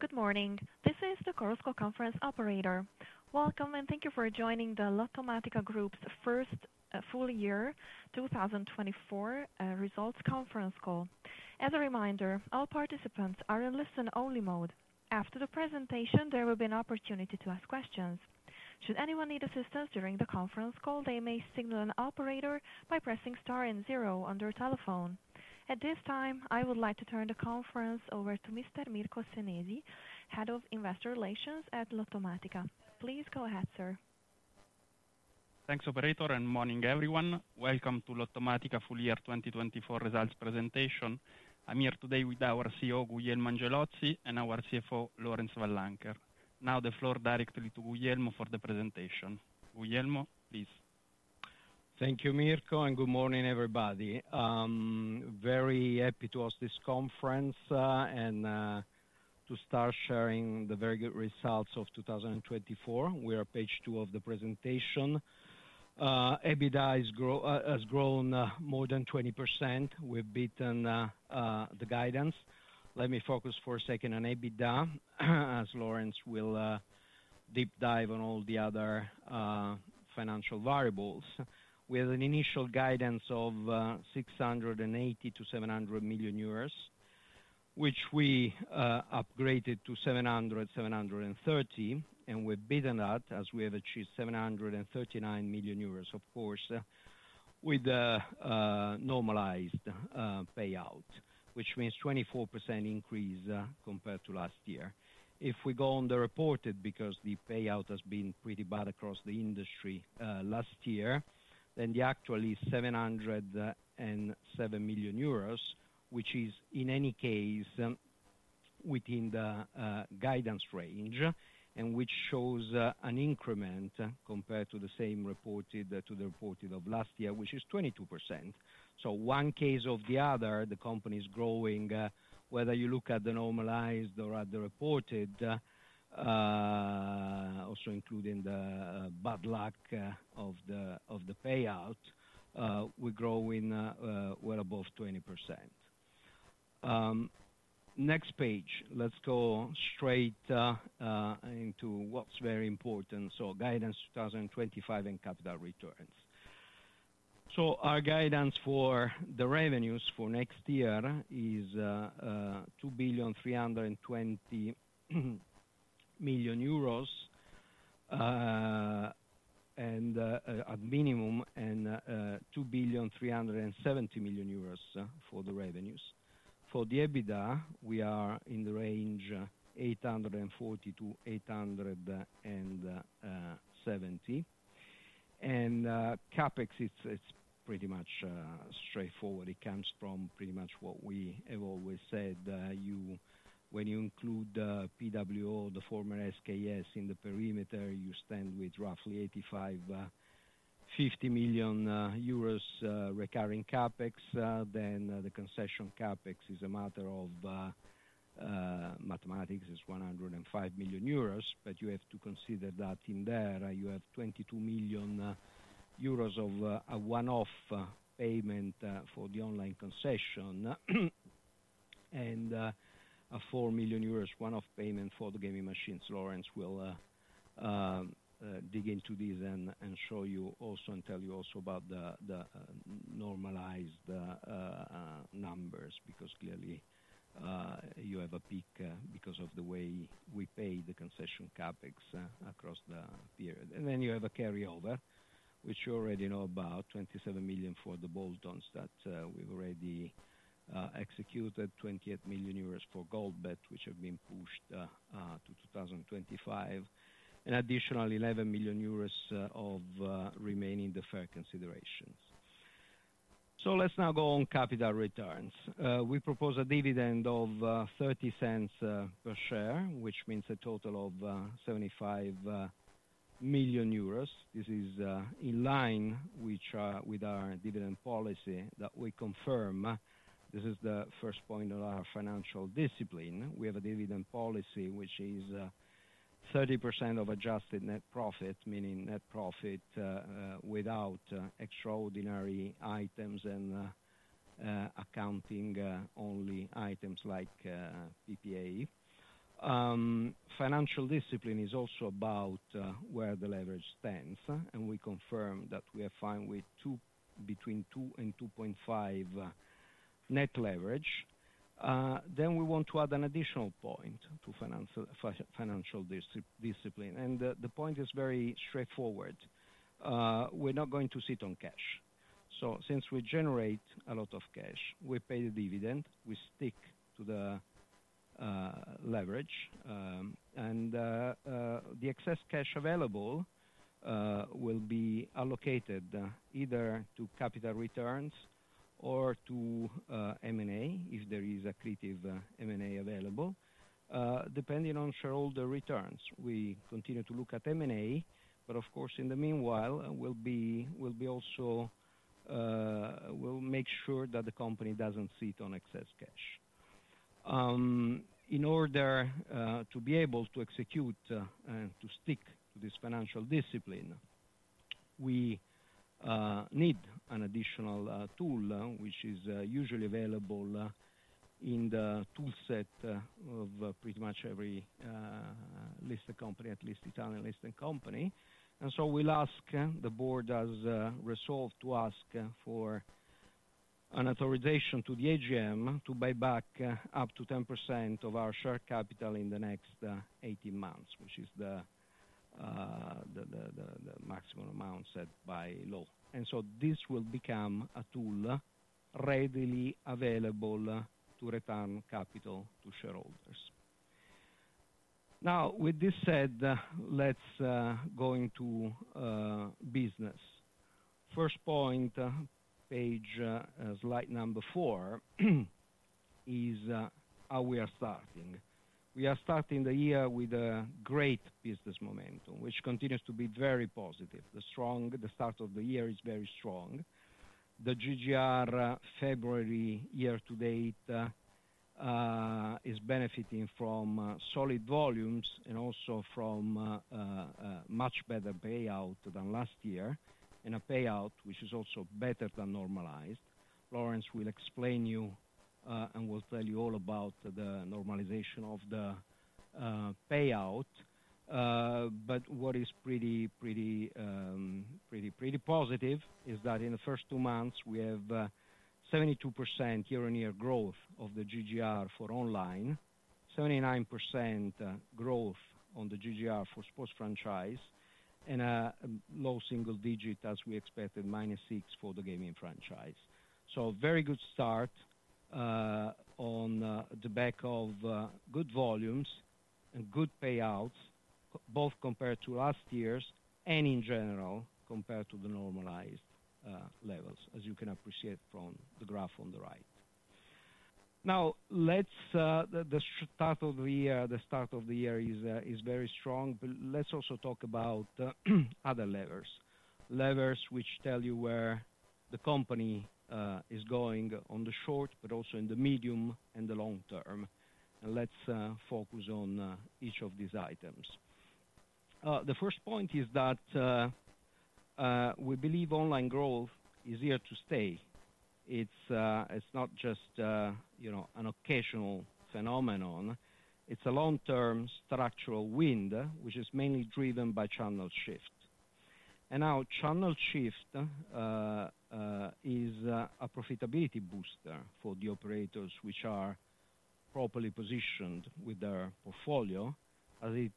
Good morning. This is the conference operator. Welcome, and thank you for joining the Lottomatica Group's first full-year 2024 results conference call. As a reminder, all participants are in listen-only mode. After the presentation, there will be an opportunity to ask questions. Should anyone need assistance during the conference call, they may signal an operator by pressing star and zero on their telephone. At this time, I would like to turn the conference over to Mr. Mirko Senesi, Head of Investor Relations at Lottomatica. Please go ahead, sir. Thanks, operator, and good morning, everyone. Welcome to Lottomatica's full-year 2024 results presentation. I'm here today with our CEO, Guglielmo Angelozzi, and our CFO, Laurence Van Lancker. Now the floor directly to Guglielmo for the presentation. Guglielmo, please. Thank you, Mirko, and good morning, everybody. Very happy to host this conference and to start sharing the very good results of 2024. We are page two of the presentation. EBITDA has grown more than 20%. We've beaten the guidance. Let me focus for a second on EBITDA, as Laurence will deep dive on all the other financial variables. We had an initial guidance of 680 million-700 million euros, which we upgraded to 700 million-730 million, and we've beaten that as we have achieved 739 million euros, of course, with a normalized payout, which means a 24% increase compared to last year. If we go on the reported, because the payout has been pretty bad across the industry last year, then the actual is 707 million euros, which is, in any case, within the guidance range, and which shows an increment compared to the same reported of last year, which is 22%. So one case or the other, the company is growing, whether you look at the normalized or at the reported, also including the bad luck of the payout, we're growing well above 20%. Next page. Let's go straight into what's very important. So guidance 2025 and capital returns. So our guidance for the revenues for next year is 2,320 million euros at minimum and 2,370 million euros for the revenues. For the EBITDA, we are in the range 840-870. And CapEx, it's pretty much straightforward. It comes from pretty much what we have always said. When you include PWO, the former SKS, in the perimeter, you stand with roughly 85.50 million euros recurring CapEx. Then the concession CapEx is a matter of mathematics. It's 105 million euros, but you have to consider that in there. You have 22 million euros of a one-off payment for the online concession and 4 million euros one-off payment for the gaming machines. Laurence will dig into these and show you also and tell you also about the normalized numbers because clearly you have a peak because of the way we pay the concession CapEx across the period. And then you have a carryover, which you already know about, 27 million for the bolt-ons that we've already executed, 28 million euros for GoldBet, which have been pushed to 2025, and additionally 11 million euros of remaining fair considerations. So let's now go on capital returns. We propose a dividend of 0.30 per share, which means a total of 75 million euros. This is in line with our dividend policy that we confirm. This is the first point on our financial discipline. We have a dividend policy which is 30% of adjusted net profit, meaning net profit without extraordinary items and accounting-only items like PPA. Financial discipline is also about where the leverage stands, and we confirm that we are fine with between 2 and 2.5 net leverage. Then we want to add an additional point to financial discipline. And the point is very straightforward. We're not going to sit on cash. So since we generate a lot of cash, we pay the dividend, we stick to the leverage, and the excess cash available will be allocated either to capital returns or to M&A, if there is a creative M&A available, depending on shareholder returns. We continue to look at M&A, but of course, in the meanwhile, we'll make sure that the company doesn't sit on excess cash. In order to be able to execute and to stick to this financial discipline, we need an additional tool, which is usually available in the toolset of pretty much every listed company, at least Italian listed company. And so we'll ask. The board has resolved to ask for an authorization to the AGM to buy back up to 10% of our share capital in the next 18 months, which is the maximum amount set by law. And so this will become a tool readily available to return capital to shareholders. Now, with this said, let's go into business. First point, page slide number four, is how we are starting. We are starting the year with a great business momentum, which continues to be very positive. The start of the year is very strong. The GGR February year-to-date is benefiting from solid volumes and also from much better payout than last year and a payout which is also better than normalized. Laurence will explain to you and will tell you all about the normalization of the payout. But what is pretty positive is that in the first two months, we have 72% year-on-year growth of the GGR for online, 79% growth on the GGR for sports franchise, and a low single digit, as we expected, minus six for the gaming franchise. So very good start on the back of good volumes and good payouts, both compared to last year's and in general compared to the normalized levels, as you can appreciate from the graph on the right. Now, the start of the year is very strong, but let's also talk about other levers, levers which tell you where the company is going on the short, but also in the medium and the long term, and let's focus on each of these items. The first point is that we believe online growth is here to stay. It's not just an occasional phenomenon. It's a long-term structural wind, which is mainly driven by channel shift, and now channel shift is a profitability booster for the operators which are properly positioned with their portfolio, as it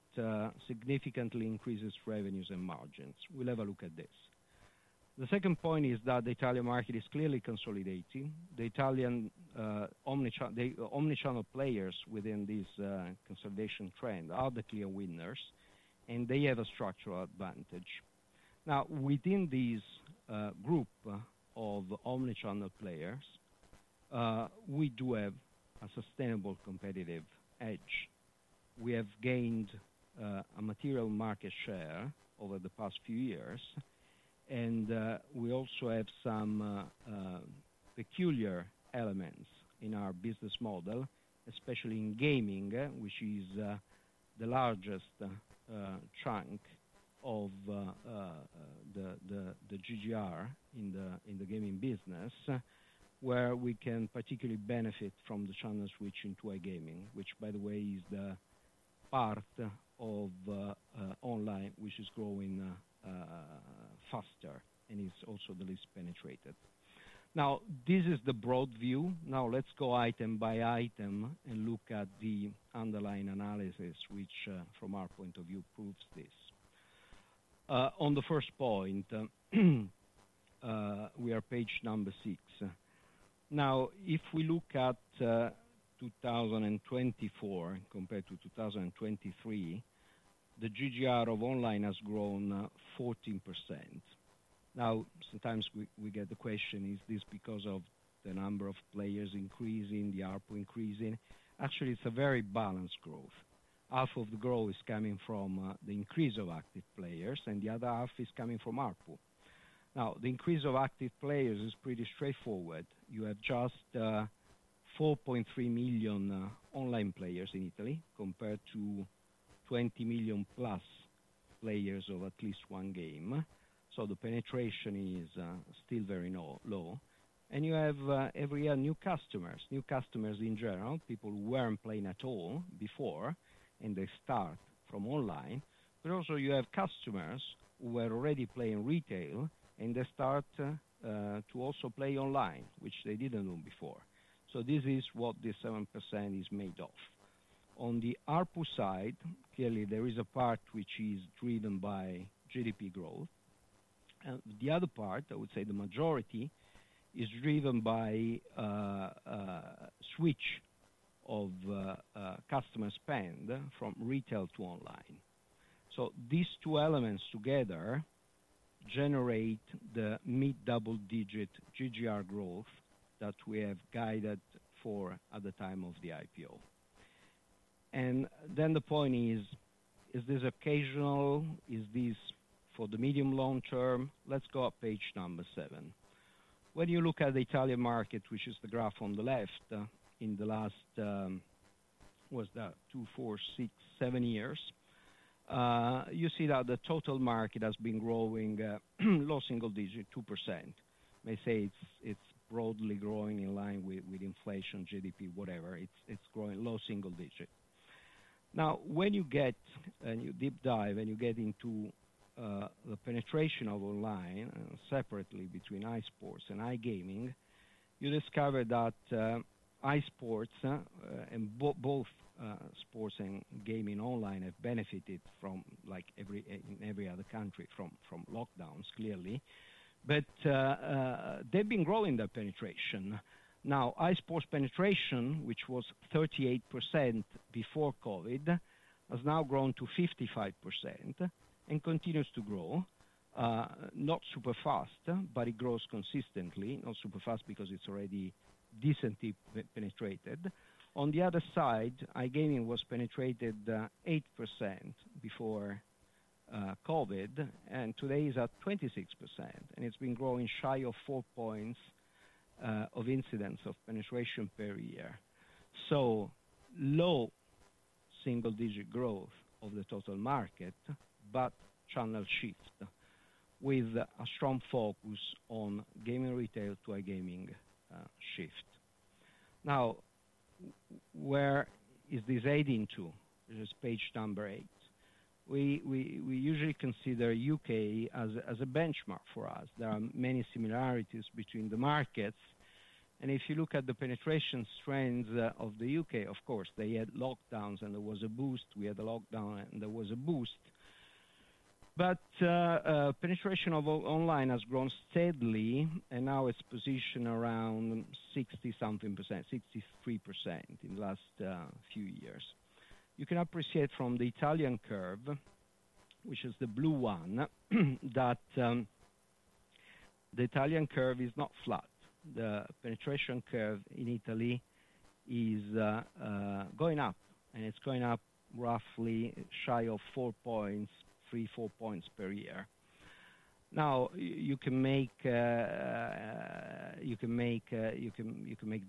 significantly increases revenues and margins. We'll have a look at this. The second point is that the Italian market is clearly consolidating. The Italian omnichannel players within this consolidation trend are the clear winners, and they have a structural advantage. Now, within this group of omnichannel players, we do have a sustainable competitive edge. We have gained a material market share over the past few years, and we also have some peculiar elements in our business model, especially in gaming, which is the largest chunk of the GGR in the gaming business, where we can particularly benefit from the channels switching to iGaming, which, by the way, is the part of online which is growing faster and is also the least penetrated. Now, this is the broad view. Now, let's go item by item and look at the underlying analysis, which from our point of view proves this. On the first point, we are page number six. Now, if we look at 2024 compared to 2023, the GGR of online has grown 14%. Now, sometimes we get the question, is this because of the number of players increasing, the ARPU increasing? Actually, it's a very balanced growth. Half of the growth is coming from the increase of active players, and the other half is coming from ARPU. Now, the increase of active players is pretty straightforward. You have just 4.3 million online players in Italy compared to 20 million plus players of at least one game. So the penetration is still very low. And you have every year new customers, new customers in general, people who weren't playing at all before and they start from online. But also you have customers who were already playing retail and they start to also play online, which they didn't do before. So this is what this 7% is made of. On the ARPU side, clearly there is a part which is driven by GDP growth. The other part, I would say the majority, is driven by switch of customer spend from retail to online. These two elements together generate the mid-double-digit GGR growth that we have guided for at the time of the IPO. Then the point is, is this occasional? Is this for the medium-long term? Let's go at page number seven. When you look at the Italian market, which is the graph on the left, in the last, what's that, two, four, six, seven years, you see that the total market has been growing low single-digit 2%. One may say it's broadly growing in line with inflation, GDP, whatever. It's growing low single-digit. Now, when you get a deep dive and you get into the penetration of online separately between iSports and iGaming, you discover that iSports and both sports and gaming online have benefited from, like in every other country, from lockdowns, clearly. But they've been growing that penetration. Now, iSports penetration, which was 38% before COVID, has now grown to 55% and continues to grow, not super fast, but it grows consistently, not super fast because it's already decently penetrated. On the other side, iGaming was penetrated 8% before COVID, and today is at 26%, and it's been growing shy of four points of incidence of penetration per year. So low single-digit growth of the total market, but channel shift with a strong focus on gaming retail to iGaming shift. Now, where is this aiding to? This is page number eight. We usually consider U.K. as a benchmark for us. There are many similarities between the markets, and if you look at the penetration trends of the U.K., of course, they had lockdowns and there was a boost. We had a lockdown and there was a boost. But penetration of online has grown steadily and now it's positioned around 60-something%, 63% in the last few years. You can appreciate from the Italian curve, which is the blue one, that the Italian curve is not flat. The penetration curve in Italy is going up, and it's going up roughly shy of four points, three, four points per year. Now, you can make the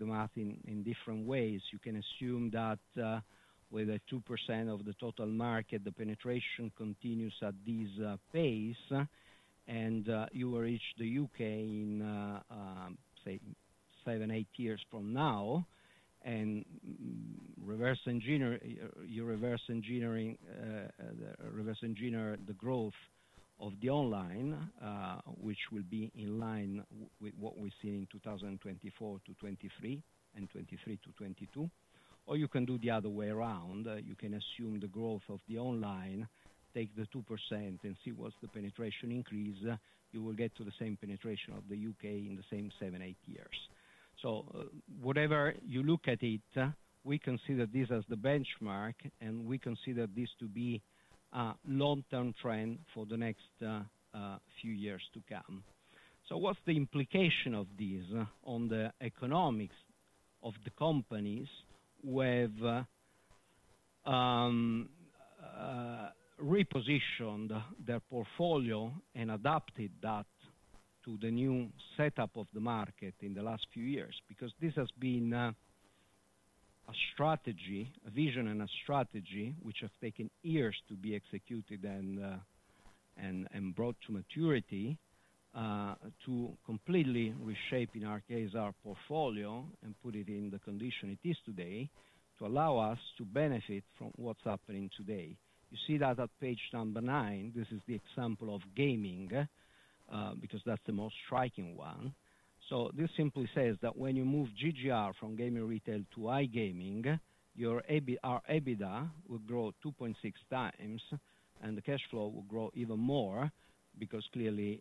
math in different ways. You can assume that with a 2% of the total market, the penetration continues at this pace, and you will reach the U.K. in, say, seven, eight years from now, and you reverse engineer the growth of the online, which will be in line with what we've seen in 2024 to 2023 and 2023 to 2022. Or you can do the other way around. You can assume the growth of the online, take the 2%, and see what's the penetration increase. You will get to the same penetration of the U.K. in the same seven, eight years, so whatever you look at it, we consider this as the benchmark, and we consider this to be a long-term trend for the next few years to come, so what's the implication of this on the economics of the companies who have repositioned their portfolio and adapted that to the new setup of the market in the last few years? Because this has been a strategy, a vision and a strategy which have taken years to be executed and brought to maturity to completely reshape, in our case, our portfolio and put it in the condition it is today to allow us to benefit from what's happening today. You see that at page number nine, this is the example of gaming because that's the most striking one. So this simply says that when you move GGR from gaming retail to iGaming, your EBITDA will grow 2.6 times, and the cash flow will grow even more because clearly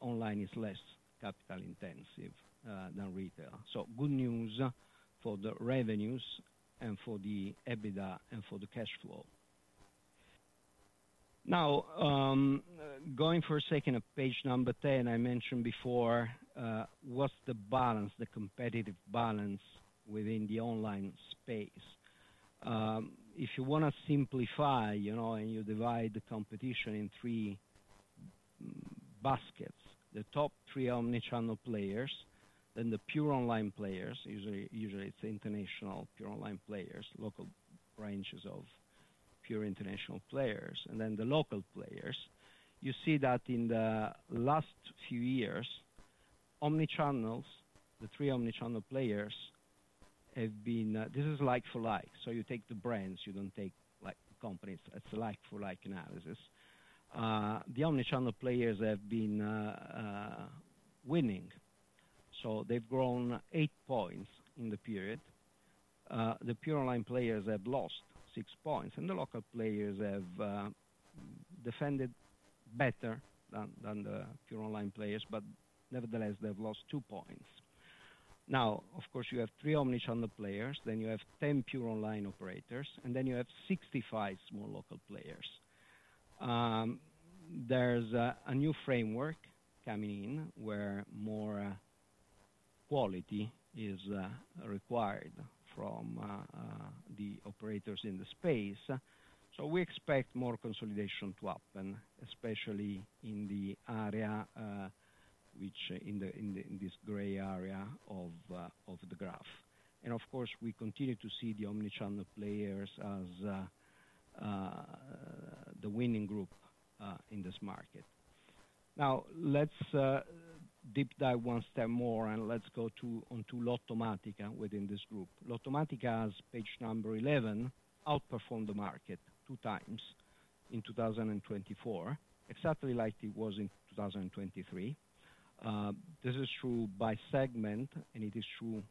online is less capital-intensive than retail. So good news for the revenues and for the EBITDA and for the cash flow. Now, going for a second at page number 10, I mentioned before, what's the balance, the competitive balance within the online space? If you want to simplify and you divide the competition in three baskets, the top three omnichannel players, then the pure online players, usually it's international pure online players, local branches of pure international players, and then the local players. You see that in the last few years, omnichannels, the three omnichannel players have been. This is like-for-like. So you take the brands, you don't take companies. It's a like-for-like analysis. The omnichannel players have been winning, so they've grown eight points in the period. The pure online players have lost six points, and the local players have defended better than the pure online players, but nevertheless, they've lost two points. Now, of course, you have three omnichannel players, then you have 10 pure online operators, and then you have 65 small local players. There's a new framework coming in where more quality is required from the operators in the space, so we expect more consolidation to happen, especially in the area which is in this gray area of the graph, and of course, we continue to see the omnichannel players as the winning group in this market. Now, let's deep dive one step more and let's go on to Lottomatica within this group. Lottomatica has, page number 11, outperformed the market two times in 2024, exactly like it was in 2023. This is true by segment, and it is true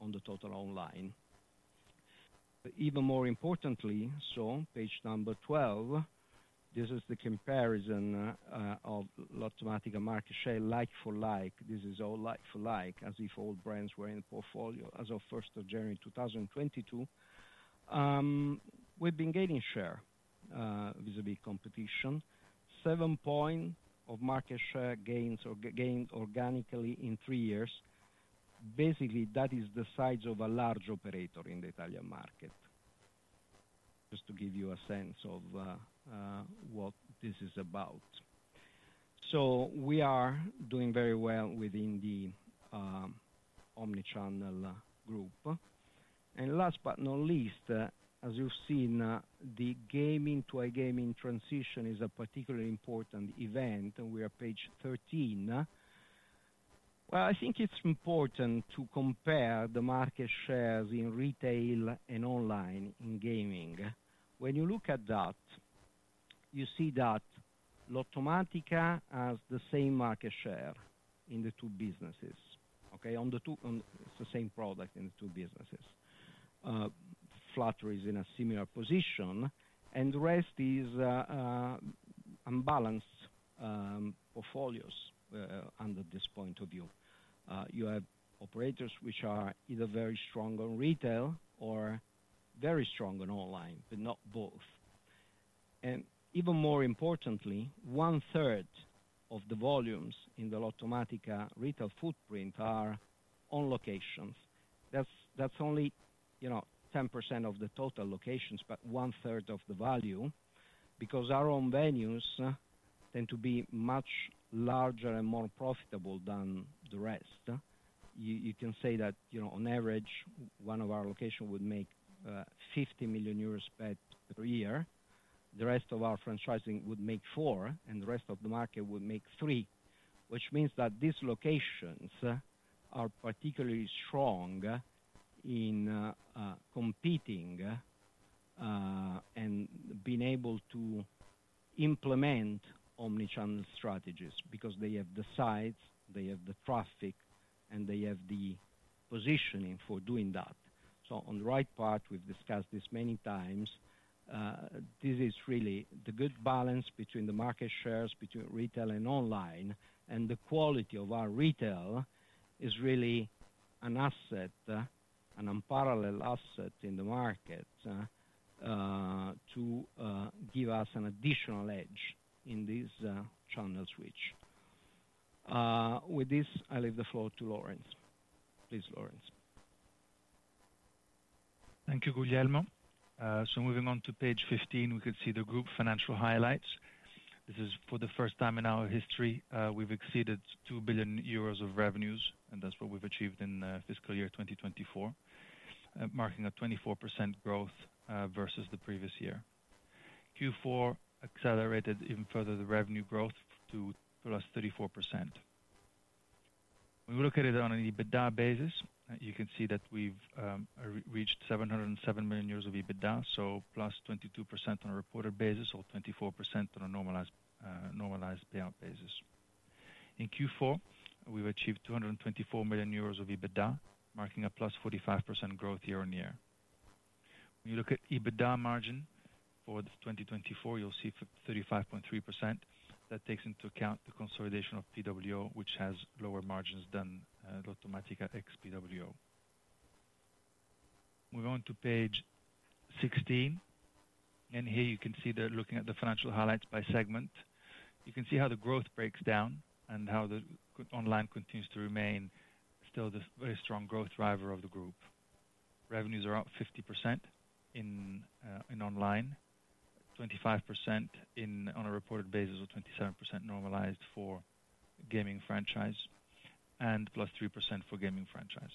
on the total online. Even more importantly, so page number 12, this is the comparison of Lottomatica market share, like-for-like. This is all like-for-like, as if all brands were in the portfolio as of 1st of January 2022. We've been gaining share vis-à-vis competition, seven points of market share gained organically in three years. Basically, that is the size of a large operator in the Italian market, just to give you a sense of what this is about. So we are doing very well within the omnichannel group. And last but not least, as you've seen, the gaming to iGaming transition is a particularly important event. We are, page 13. Well, I think it's important to compare the market shares in retail and online in gaming. When you look at that, you see that Lottomatica has the same market share in the two businesses, okay? It's the same product in the two businesses. Flutter is in a similar position, and the rest is unbalanced portfolios under this point of view. You have operators which are either very strong on retail or very strong on online, but not both. And even more importantly, one-third of the volumes in the Lottomatica retail footprint are on locations. That's only 10% of the total locations, but one-third of the value because our own venues tend to be much larger and more profitable than the rest. You can say that on average, one of our locations would make 50 million euros per year. The rest of our franchising would make four, and the rest of the market would make three, which means that these locations are particularly strong in competing and being able to implement omnichannel strategies because they have the sites, they have the traffic, and they have the positioning for doing that. So on the right part, we've discussed this many times. This is really the good balance between the market shares between retail and online, and the quality of our retail is really an asset, an unparalleled asset in the market to give us an additional edge in this channel switch. With this, I leave the floor to Laurence. Please, Laurence. Thank you, Guglielmo. So moving on to page 15, we can see the group financial highlights. This is the first time in our history, we've exceeded 2 billion euros of revenues, and that's what we've achieved in fiscal year 2024, marking a 24% growth versus the previous year. Q4 accelerated even further the revenue growth to plus 34%. When we look at it on an EBITDA basis, you can see that we've reached 707 million euros of EBITDA, so plus 22% on a reported basis or 24% on a normalized payout basis. In Q4, we've achieved 224 million euros of EBITDA, marking a plus 45% growth year on year. When you look at EBITDA margin for 2024, you'll see 35.3%. That takes into account the consolidation of PWO, which has lower margins than Lottomatica ex-PWO. Moving on to page 16, and here you can see that looking at the financial highlights by segment, you can see how the growth breaks down and how the online continues to remain still the very strong growth driver of the group. Revenues are up 50% in online, 25% on a reported basis or 27% normalized for gaming franchise, and +3% for gaming franchise.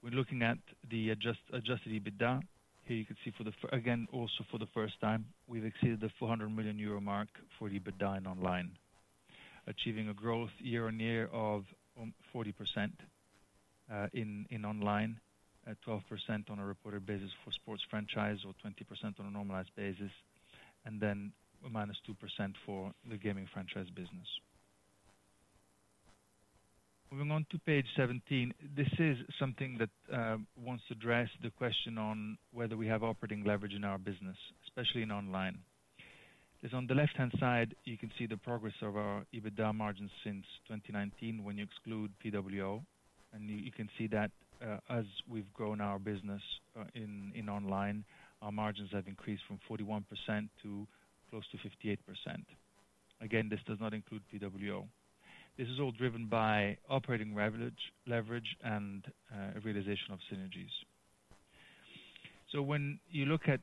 When looking at the adjusted EBITDA, here you can see for the, again, also for the first time, we've exceeded the 400 million euro mark for EBITDA in online, achieving a growth year on year of 40% in online, 12% on a reported basis for sports franchise or 20% on a normalized basis, and then -2% for the gaming franchise business. Moving on to page 17, this is something that wants to address the question on whether we have operating leverage in our business, especially in online. On the left-hand side, you can see the progress of our EBITDA margins since 2019 when you exclude PWO, and you can see that as we've grown our business in online, our margins have increased from 41% to close to 58. Again, this does not include PWO. This is all driven by operating leverage and realization of synergies. So when you look at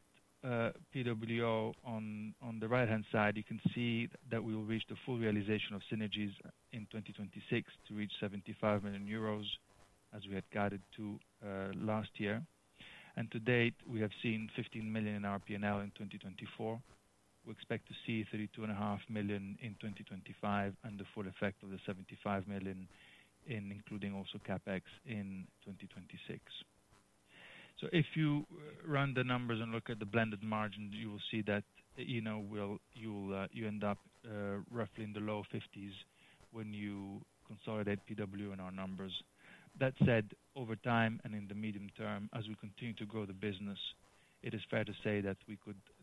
PWO on the right-hand side, you can see that we will reach the full realization of synergies in 2026 to reach €75 million as we had guided to last year. And to date, we have seen €15 million in our P&L in 2024. We expect to see €32.5 million in 2025 under full effect of the €75 million, including also CapEx, in 2026. So if you run the numbers and look at the blended margin, you will see that you end up roughly in the low 50s when you consolidate PWO in our numbers. That said, over time and in the medium term, as we continue to grow the business, it is fair to say that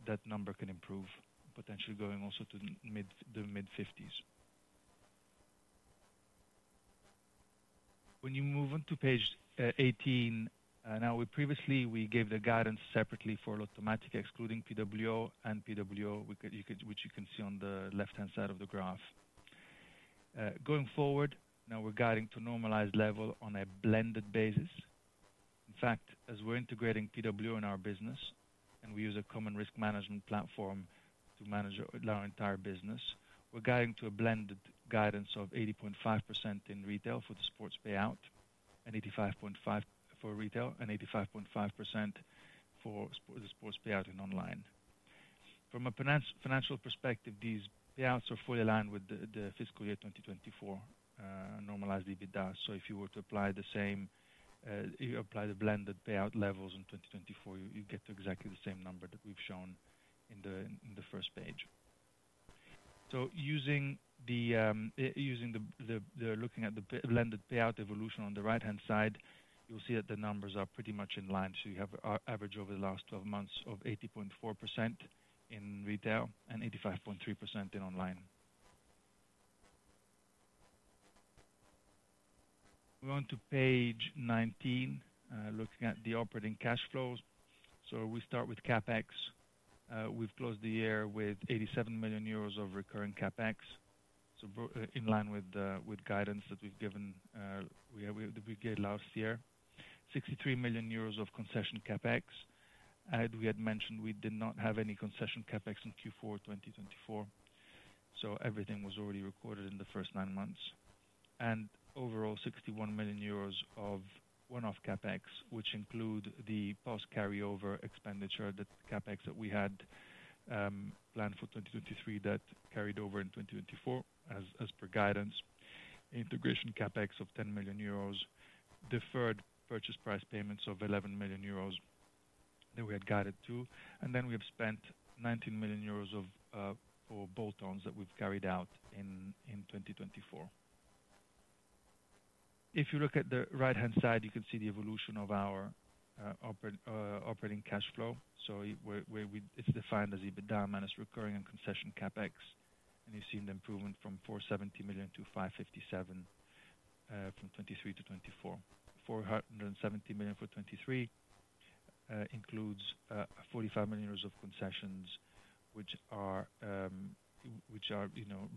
that number can improve, potentially going also to the mid-50s. When you move on to Page 18, now we previously gave the guidance separately for Lottomatica excluding PWO and PWO, which you can see on the left-hand side of the graph. Going forward, now we're guiding to normalized level on a blended basis. In fact, as we're integrating PWO in our business and we use a common risk management platform to manage our entire business, we're guiding to a blended guidance of 80.5% in retail for the sports payout and 85.5% for retail and 85.5% for the sports payout in online. From a financial perspective, these payouts are fully aligned with the fiscal year 2024 normalized EBITDA so if you were to apply the same, apply the blended payout levels in 2024, you get to exactly the same number that we've shown in the first page so using the, looking at the blended payout evolution on the right-hand side, you'll see that the numbers are pretty much in line so you have an average over the last 12 months of 80.4% in retail and 85.3% in online. We want to page 19, looking at the operating cash flows so we start with CapEx. We've closed the year with 87 million euros of recurring CapEx, in line with guidance that we've given last year, 63 million euros of concession CapEx. As we had mentioned, we did not have any concession CapEx in Q4 2024, so everything was already recorded in the first nine months. And overall, 61 million euros of one-off CapEx, which includes the POS carryover expenditure, the CapEx that we had planned for 2023 that carried over in 2024 as per guidance, integration CapEx of 10 million euros, deferred purchase price payments of 11 million euros that we had guided to. And then we have spent 19 million euros for bolt-ons that we've carried out in 2024. If you look at the right-hand side, you can see the evolution of our operating cash flow. So it's defined as EBITDA minus recurring and concession CapEx, and you've seen the improvement from 470 million to 557 from 2023 to 2024. 470 million for 2023 includes 45 million euros of concessions, which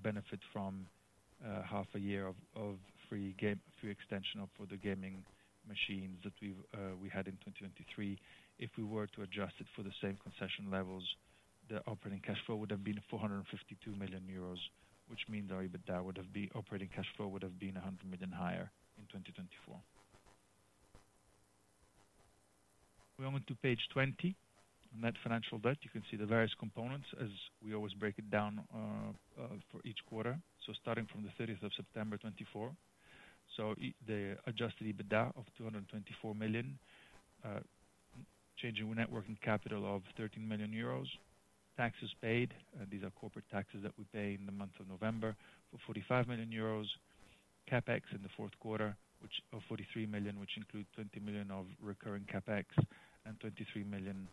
benefit from half a year of free extension for the gaming machines that we had in 2023. If we were to adjust it for the same concession levels, the operating cash flow would have been 452 million euros, which means our EBITDA would have been operating cash flow would have been 100 million higher in 2024. Turn to page 20, net financial debt. You can see the various components as we always break it down for each quarter. So starting from the 30th of September 2024, the adjusted EBITDA of 224 million, change in net working capital of 13 million euros, taxes paid. These are corporate taxes that we pay in the month of November for 45 million euros. CapEx in the Q4, which of 43 million, which includes 20 million of recurring CapEx and 23 million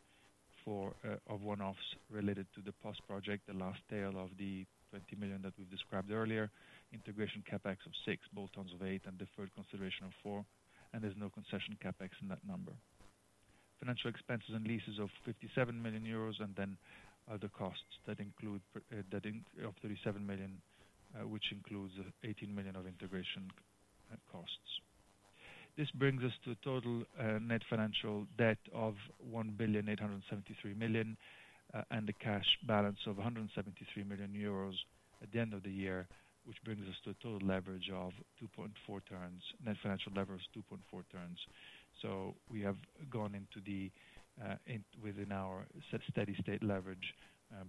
of one-offs related to the POS project, the last tail of the 20 million that we've described earlier, integration CapEx of 6, bolt-ons of 8, and deferred consideration of 4, and there's no concession CapEx in that number. Financial expenses and leases of 57 million euros and then other costs that include of 37 million, which includes 18 million of integration costs. This brings us to a total net financial debt of 1,873 million and a cash balance of 173 million euros at the end of the year, which brings us to a total leverage of 2.4 turns, net financial leverage 2.4 turns, so we have gone into the within our steady state leverage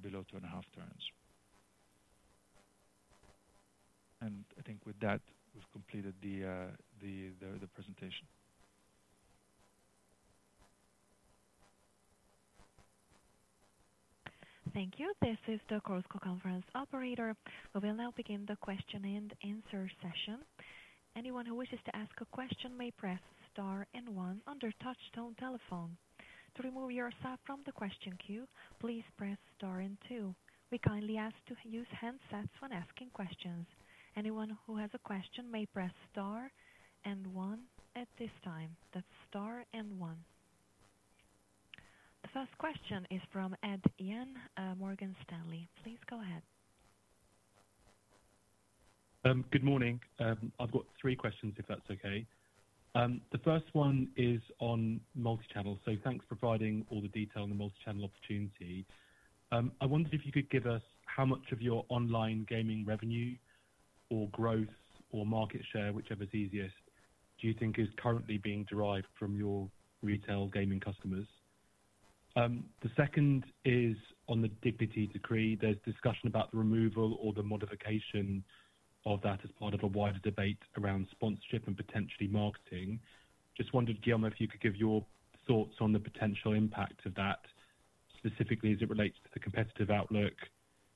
below two and a half turns, and I think with that, we've completed the presentation. Thank you. This is the conference operator. We will now begin the question and answer session. Anyone who wishes to ask a question may press star and one on your touch-tone telephone. To remove yourself from the question queue, please press star and two. We kindly ask to use handsets when asking questions. Anyone who has a question may press star and one at this time. That's star and one. The first question is from Ed Young, Morgan Stanley. Please go ahead. Good morning. I've got three questions if that's okay. The first one is on multichannel. So thanks for providing all the detail on the multichannel opportunity. I wondered if you could give us how much of your online gaming revenue or growth or market share, whichever is easiest, do you think is currently being derived from your retail gaming customers? The second is on the Dignity Decree. There's discussion about the removal or the modification of that as part of a wider debate around sponsorship and potentially marketing. Just wondered, Guglielmo, if you could give your thoughts on the potential impact of that, specifically as it relates to the competitive outlook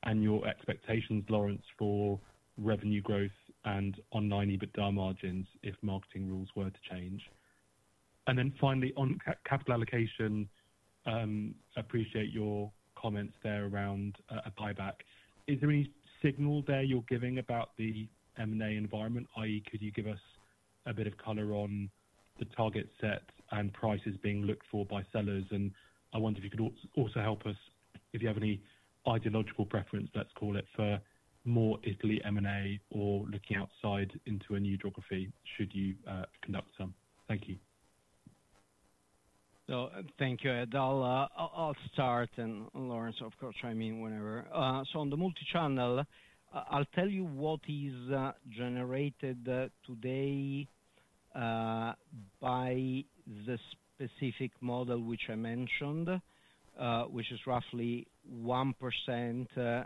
and your expectations, Laurence, for revenue growth and online EBITDA margins if marketing rules were to change, and then finally, on capital allocation, I appreciate your comments there around a buyback. Is there any signal there you're giving about the M&A environment? i.e., could you give us a bit of color on the target set and prices being looked for by sellers, and I wonder if you could also help us if you have any ideological preference, let's call it, for more Italy M&A or looking outside into a new geography should you conduct some. Thank you. Thank you, Ed. I'll start, and Laurence, of course, chime in whenever. So on the multichannel, I'll tell you what is generated today by the specific model which I mentioned, which is roughly 1%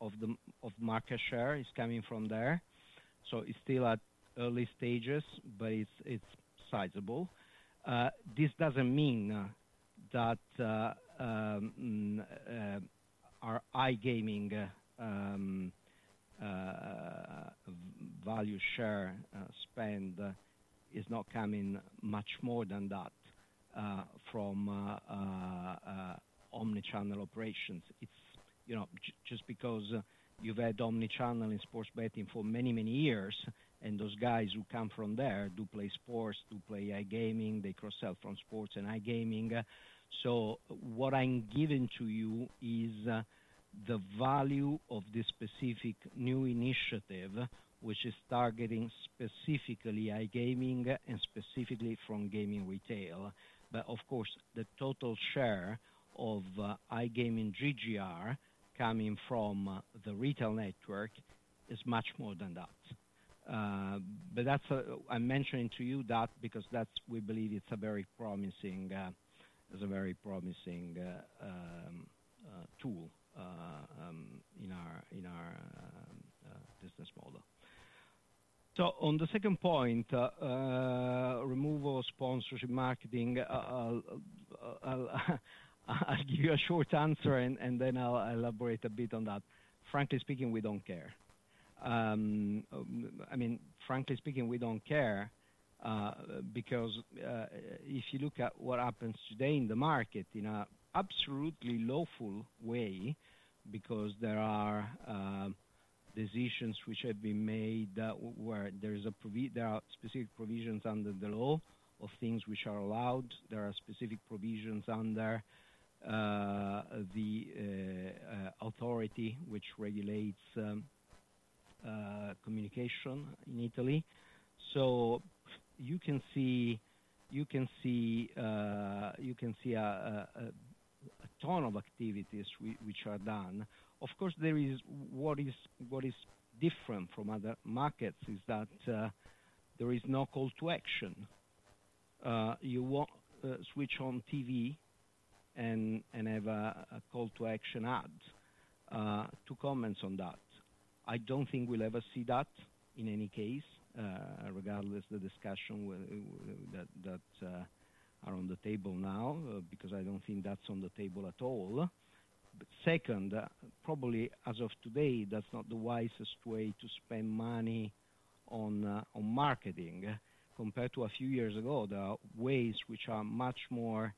of market share is coming from there. So it's still at early stages, but it's sizable. This doesn't mean that our iGaming value share spend is not coming much more than that from omnichannel operations. It's just because you've had omnichannel in sports betting for many, many years, and those guys who come from there do play sports, do play iGaming, they cross-sell from sports and iGaming. So what I'm giving to you is the value of this specific new initiative, which is targeting specifically iGaming and specifically from gaming retail. But of course, the total share of iGaming GGR coming from the retail network is much more than that. I'm mentioning to you that because we believe it's a very promising tool in our business model. On the second point, removal of sponsorship marketing, I'll give you a short answer and then I'll elaborate a bit on that. Frankly speaking, we don't care. I mean, frankly speaking, we don't care because if you look at what happens today in the market in an absolutely lawful way, because there are decisions which have been made where there are specific provisions under the law of things which are allowed, there are specific provisions under the authority which regulates communication in Italy. You can see a ton of activities which are done. Of course, what is different from other markets is that there is no call to action. You switch on TV and have a call to action ad. Two comments on that. I don't think we'll ever see that in any case, regardless of the discussion that are on the table now, because I don't think that's on the table at all. Second, probably as of today, that's not the wisest way to spend money on marketing compared to a few years ago. There are ways which are much more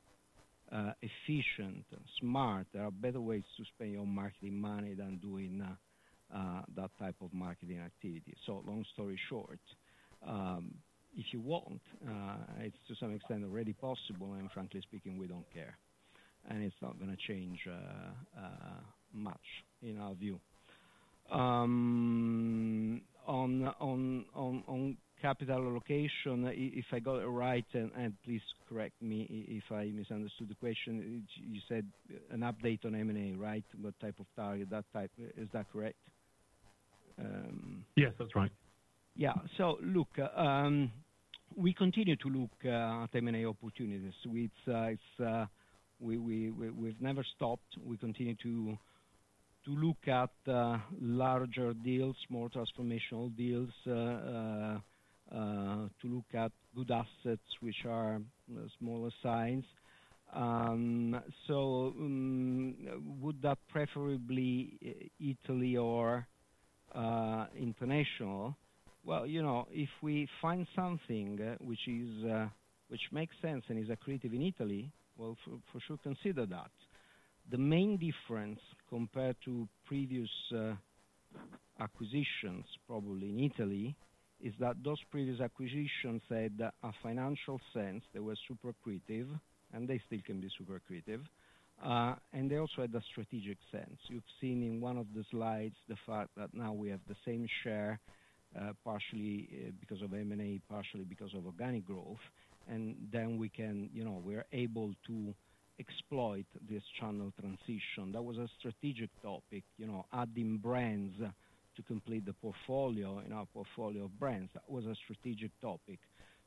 efficient, smart. There are better ways to spend your marketing money than doing that type of marketing activity. So long story short, if you want, it's to some extent already possible. And frankly speaking, we don't care. And it's not going to change much in our view. On capital allocation, if I got it right, and please correct me if I misunderstood the question, you said an update on M&A, right? What type of target, that type, is that correct? Yes, that's right. Yeah. So look, we continue to look at M&A opportunities. We've never stopped. We continue to look at larger deals, more transformational deals, to look at good assets which are smaller size. So would that preferably Italy or international? Well, if we find something which makes sense and is accretive in Italy, we'll for sure consider that. The main difference compared to previous acquisitions, probably in Italy, is that those previous acquisitions had a financial sense that was super accretive, and they still can be super accretive. And they also had a strategic sense. You've seen in one of the slides the fact that now we have the same share, partially because of M&A, partially because of organic growth. And then we are able to exploit this channel transition. That was a strategic topic. Adding brands to complete the portfolio in our portfolio of brands. That was a strategic topic.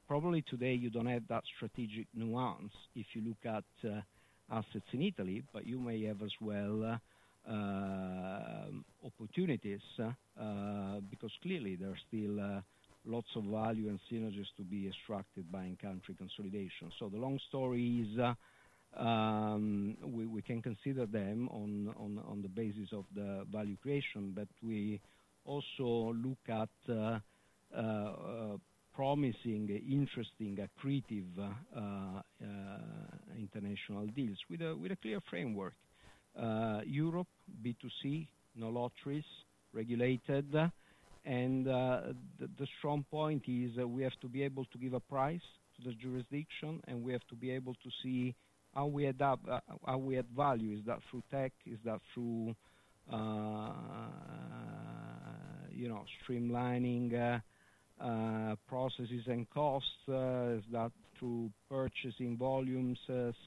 Probably today you don't have that strategic nuance if you look at assets in Italy, but you may have as well opportunities because clearly there are still lots of value and synergies to be extracted by in-country consolidation. So the long story is we can consider them on the basis of the value creation, but we also look at promising, interesting, accretive international deals with a clear framework. Europe, B2C, no lotteries, regulated. And the strong point is we have to be able to give a price to the jurisdiction, and we have to be able to see how we add value. Is that through tech? Is that through streamlining processes and costs? Is that through purchasing volumes,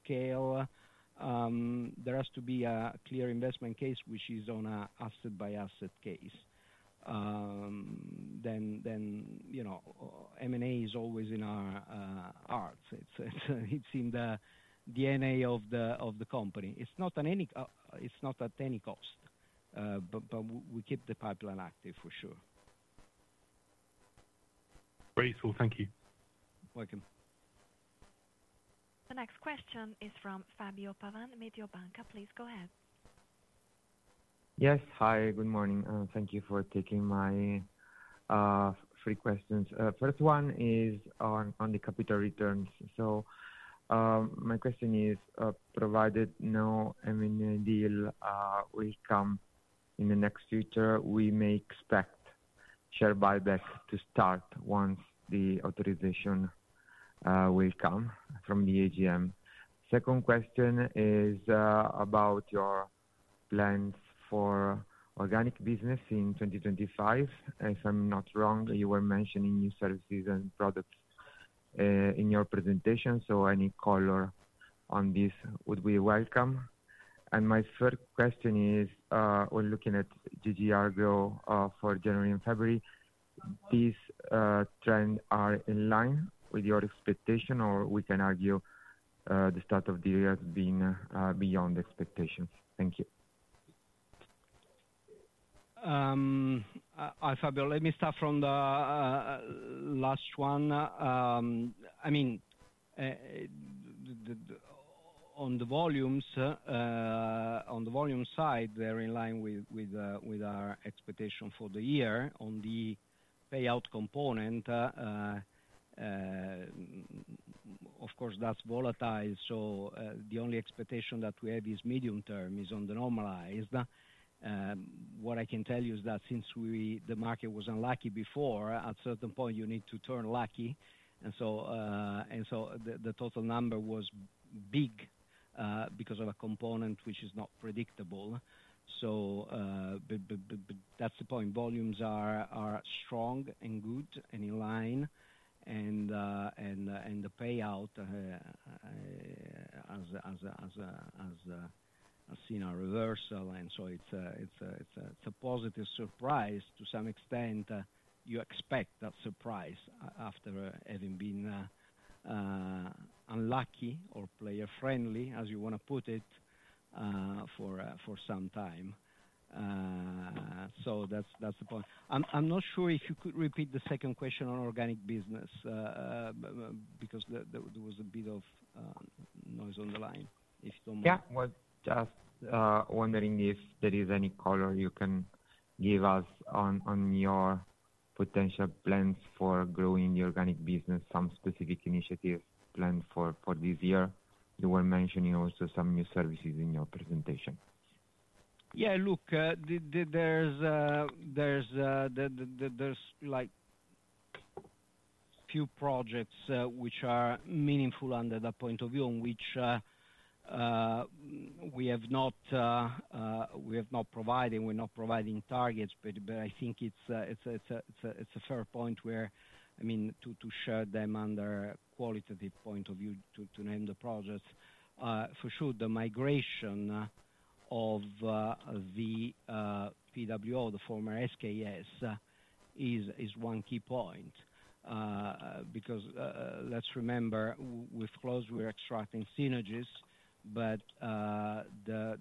scale? There has to be a clear investment case which is on an asset-by-asset case. Then M&A is always in our hearts. It's in the DNA of the company. It's not at any cost, but we keep the pipeline active for sure. Great. Well, thank you. You're welcome. The next question is from Fabio Pavan, Mediobanca. Please go ahead. Yes. Hi, good morning. Thank you for taking my three questions. First one is on the capital returns. So my question is, provided no M&A deal will come in the next future, we may expect share buyback to start once the authorization will come from the AGM. Second question is about your plans for organic business in 2025. If I'm not wrong, you were mentioning new services and products in your presentation, so any color on this would be welcome. And my third question is, when looking at GGR growth for January and February, these trends are in line with your expectation, or we can argue the start of the year has been beyond expectations. Thank you. Fabio, let me start from the last one. I mean, on the volumes, on the volume side, they're in line with our expectation for the year. On the payout component, of course, that's volatile, so the only expectation that we have is medium term is on the normalized. What I can tell you is that since the market was unlucky before, at a certain point, you need to turn lucky, and so the total number was big because of a component which is not predictable, so that's the point. Volumes are strong and good and in line, and the payout has seen a reversal, and so it's a positive surprise to some extent. You expect that surprise after having been unlucky or player-friendly, as you want to put it, for some time, so that's the point. I'm not sure if you could repeat the second question on organic business because there was a bit of noise on the line, if you don't mind. Yeah. Just wondering if there is any color you can give us on your potential plans for growing the organic business, some specific initiatives planned for this year. You were mentioning also some new services in your presentation. Yeah. Look, there's a few projects which are meaningful under that point of view on which we have not provided. We're not providing targets, but I think it's a fair point where, I mean, to share them under a qualitative point of view to name the projects. For sure, the migration of the PWO, the former SKS, is one key point because let's remember, with close, we're extracting synergies, but the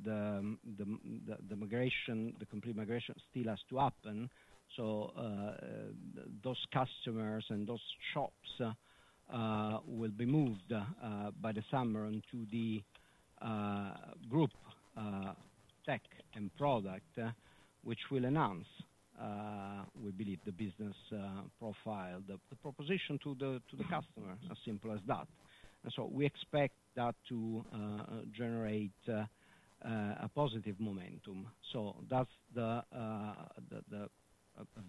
complete migration still has to happen. So those customers and those shops will be moved by the summer onto the group tech and product, which will announce, we believe, the business profile, the proposition to the customer, as simple as that. And so we expect that to generate a positive momentum. So that's a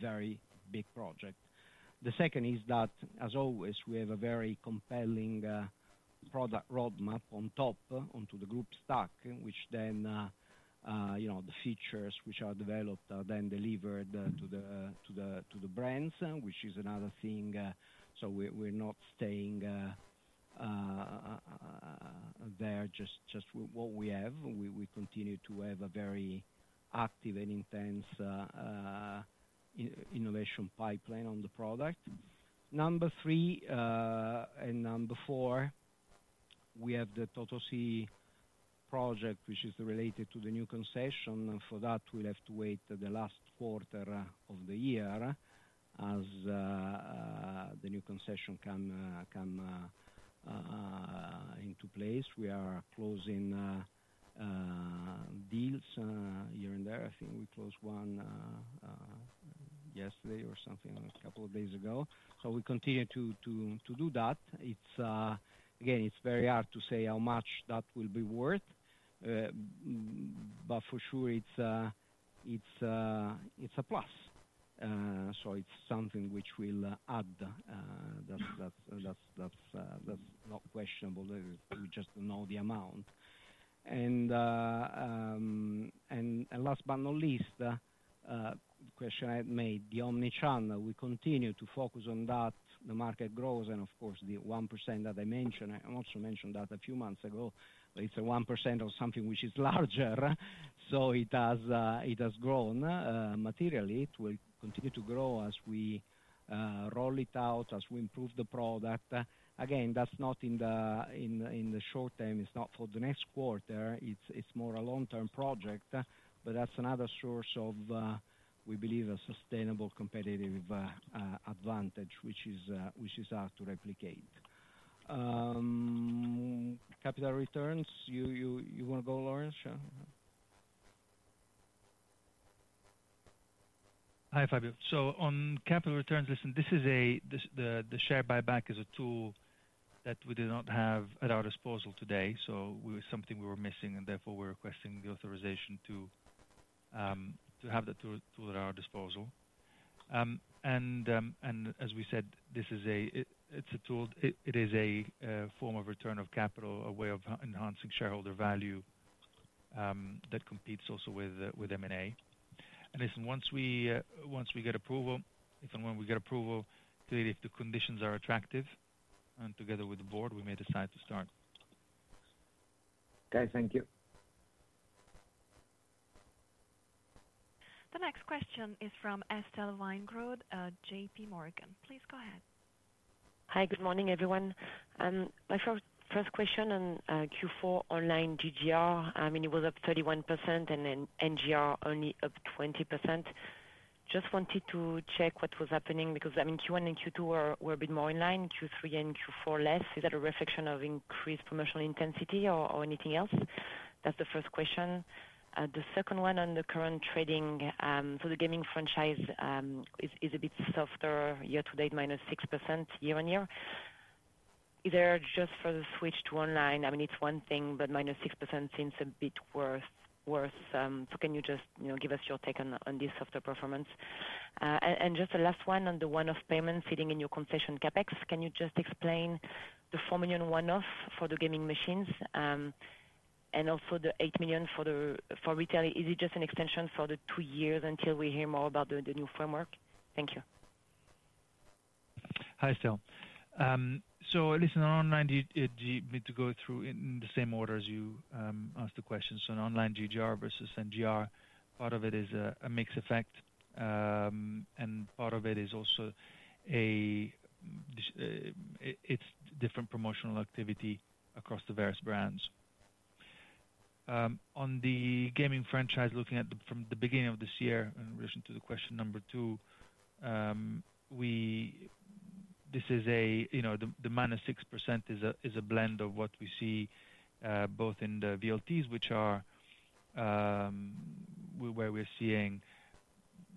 very big project. The second is that, as always, we have a very compelling product roadmap on top, onto the group stack, which then the features which are developed are then delivered to the brands, which is another thing. So we're not staying there, just what we have. We continue to have a very active and intense innovation pipeline on the product. Number three and number four, we have the Totocalcio project, which is related to the new concession. And for that, we'll have to wait the last quarter of the year as the new concession comes into place. We are closing deals here and there. I think we closed one yesterday or something, a couple of days ago. So we continue to do that. Again, it's very hard to say how much that will be worth, but for sure, it's a plus. So it's something which will add. That's not questionable. We just don't know the amount. And last but not least, the question I had made, the omnichannel, we continue to focus on that. The market grows, and of course, the 1% that I mentioned. I also mentioned that a few months ago. It's a 1% of something which is larger. So it has grown materially. It will continue to grow as we roll it out, as we improve the product. Again, that's not in the short term. It's not for the next quarter. It's more a long-term project, but that's another source of, we believe, a sustainable competitive advantage, which is hard to replicate. Capital returns, you want to go, Laurence on that? Hi, Fabio. So on capital returns, listen, this is a share buyback is a tool that we did not have at our disposal today. So it was something we were missing, and therefore, we're requesting the authorization to have that tool at our disposal. And as we said, this is a tool. It is a form of return of capital, a way of enhancing shareholder value that competes also with M&A. And listen, once we get approval, if and when we get approval, clearly, if the conditions are attractive, and together with the board, we may decide to start. Okay. Thank you. The next question is from Estelle Weingrod, J.P. Morgan. Please go ahead. Hi, good morning, everyone. My first question on Q4 online GGR. I mean, it was up 31%, and then NGR only up 20%. Just wanted to check what was happening because, I mean, Q1 and Q2 were a bit more in line, Q3 and Q4 less. Is that a reflection of increased promotional intensity or anything else? That's the first question. The second one on the current trading, so the gaming franchise is a bit softer, year to date, -6% year-on-year. Is there just for the switch to online? I mean, it's one thing, but -6% seems a bit worse. So can you just give us your take on this software performance? And just the last one on the one-off payments sitting in your concession CapEx, can you just explain the 4 million one-off for the gaming machines and also the 8 million for retail? Is it just an extension for the two years until we hear more about the new framework? Thank you. Hi, Estelle. So listen, on online, you need to go through in the same order as you asked the question. So on online GGR versus NGR, part of it is a mixed effect, and part of it is also a different promotional activity across the various brands. On the gaming franchise, looking at from the beginning of this year in relation to the question number two, this is a minus 6% is a blend of what we see both in the VLTs, which are where we're seeing,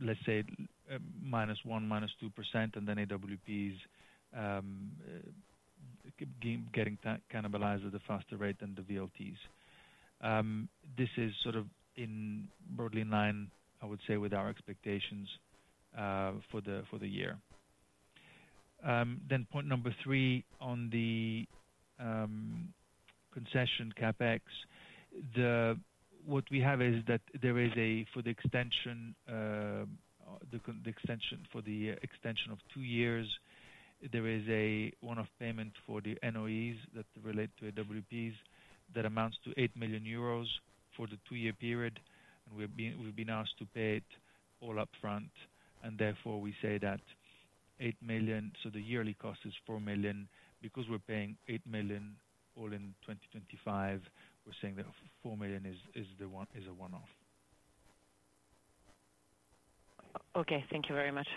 let's say, minus 1%, minus 2%, and then AWPs getting cannibalized at a faster rate than the VLTs. This is sort of broadly in line, I would say, with our expectations for the year. Then point number three on the concession CapEx. What we have is that there is a, for the extension, the extension for the extension of two years, there is a one-off payment for the NOEs that relate to AWPs that amounts to 8 million euros for the two-year period. And we've been asked to pay it all upfront. And therefore, we say that 8 million, so the yearly cost is 4 million. Because we're paying 8 million all in 2025, we're saying that 4 million is a one-off. Okay. Thank you very much.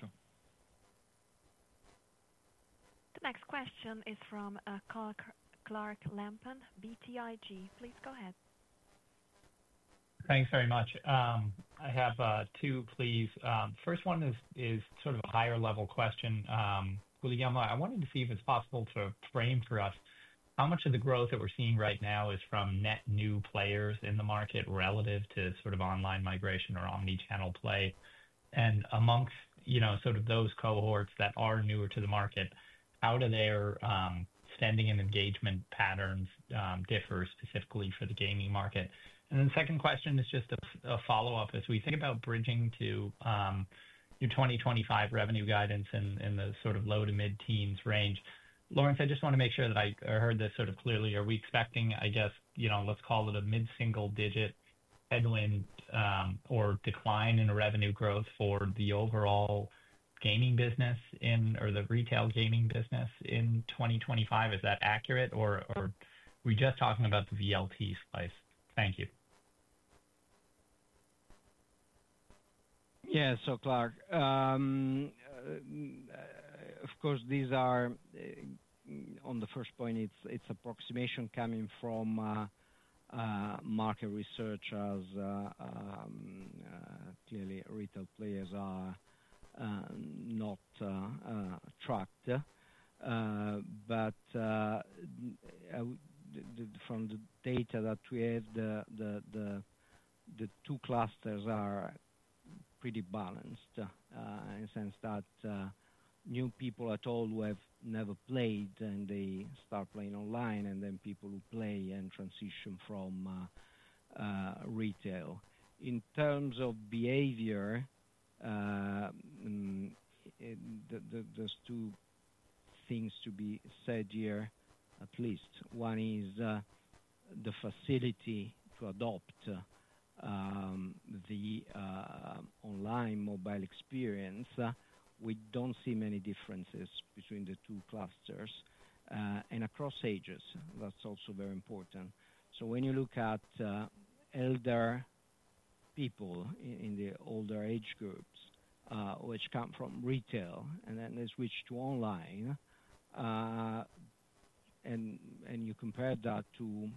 The next question is from Clark Lampen, BTIG. Please go ahead. Thanks very much. I have two, please. First one is sort of a higher-level question. William, I wanted to see if it's possible to frame for us how much of the growth that we're seeing right now is from net new players in the market relative to sort of online migration or omnichannel play. And amongst sort of those cohorts that are newer to the market, how do their spending and engagement patterns differ specifically for the gaming market? And then the second question is just a follow-up. As we think about bridging to your 2025 revenue guidance in the sort of low to mid-teens range, Laurence, I just want to make sure that I heard this sort of clearly. Are we expecting, I guess, let's call it a mid-single-digit headwind or decline in revenue growth for the overall gaming business or the retail gaming business in 2025? Is that accurate? Or are we just talking about the VLT slice? Thank you. Yeah. So, Clark, of course, these are on the first point. It's an approximation coming from market research, as clearly retail players are not tracked. But from the data that we have, the two clusters are pretty balanced in the sense that new people at all who have never played and they start playing online, and then people who play and transition from retail. In terms of behavior, there's two things to be said here, at least. One is the facility to adopt the online mobile experience. We don't see many differences between the two clusters and across ages. That's also very important. So when you look at elder people in the older age groups, which come from retail, and then they switch to online, and you compare that to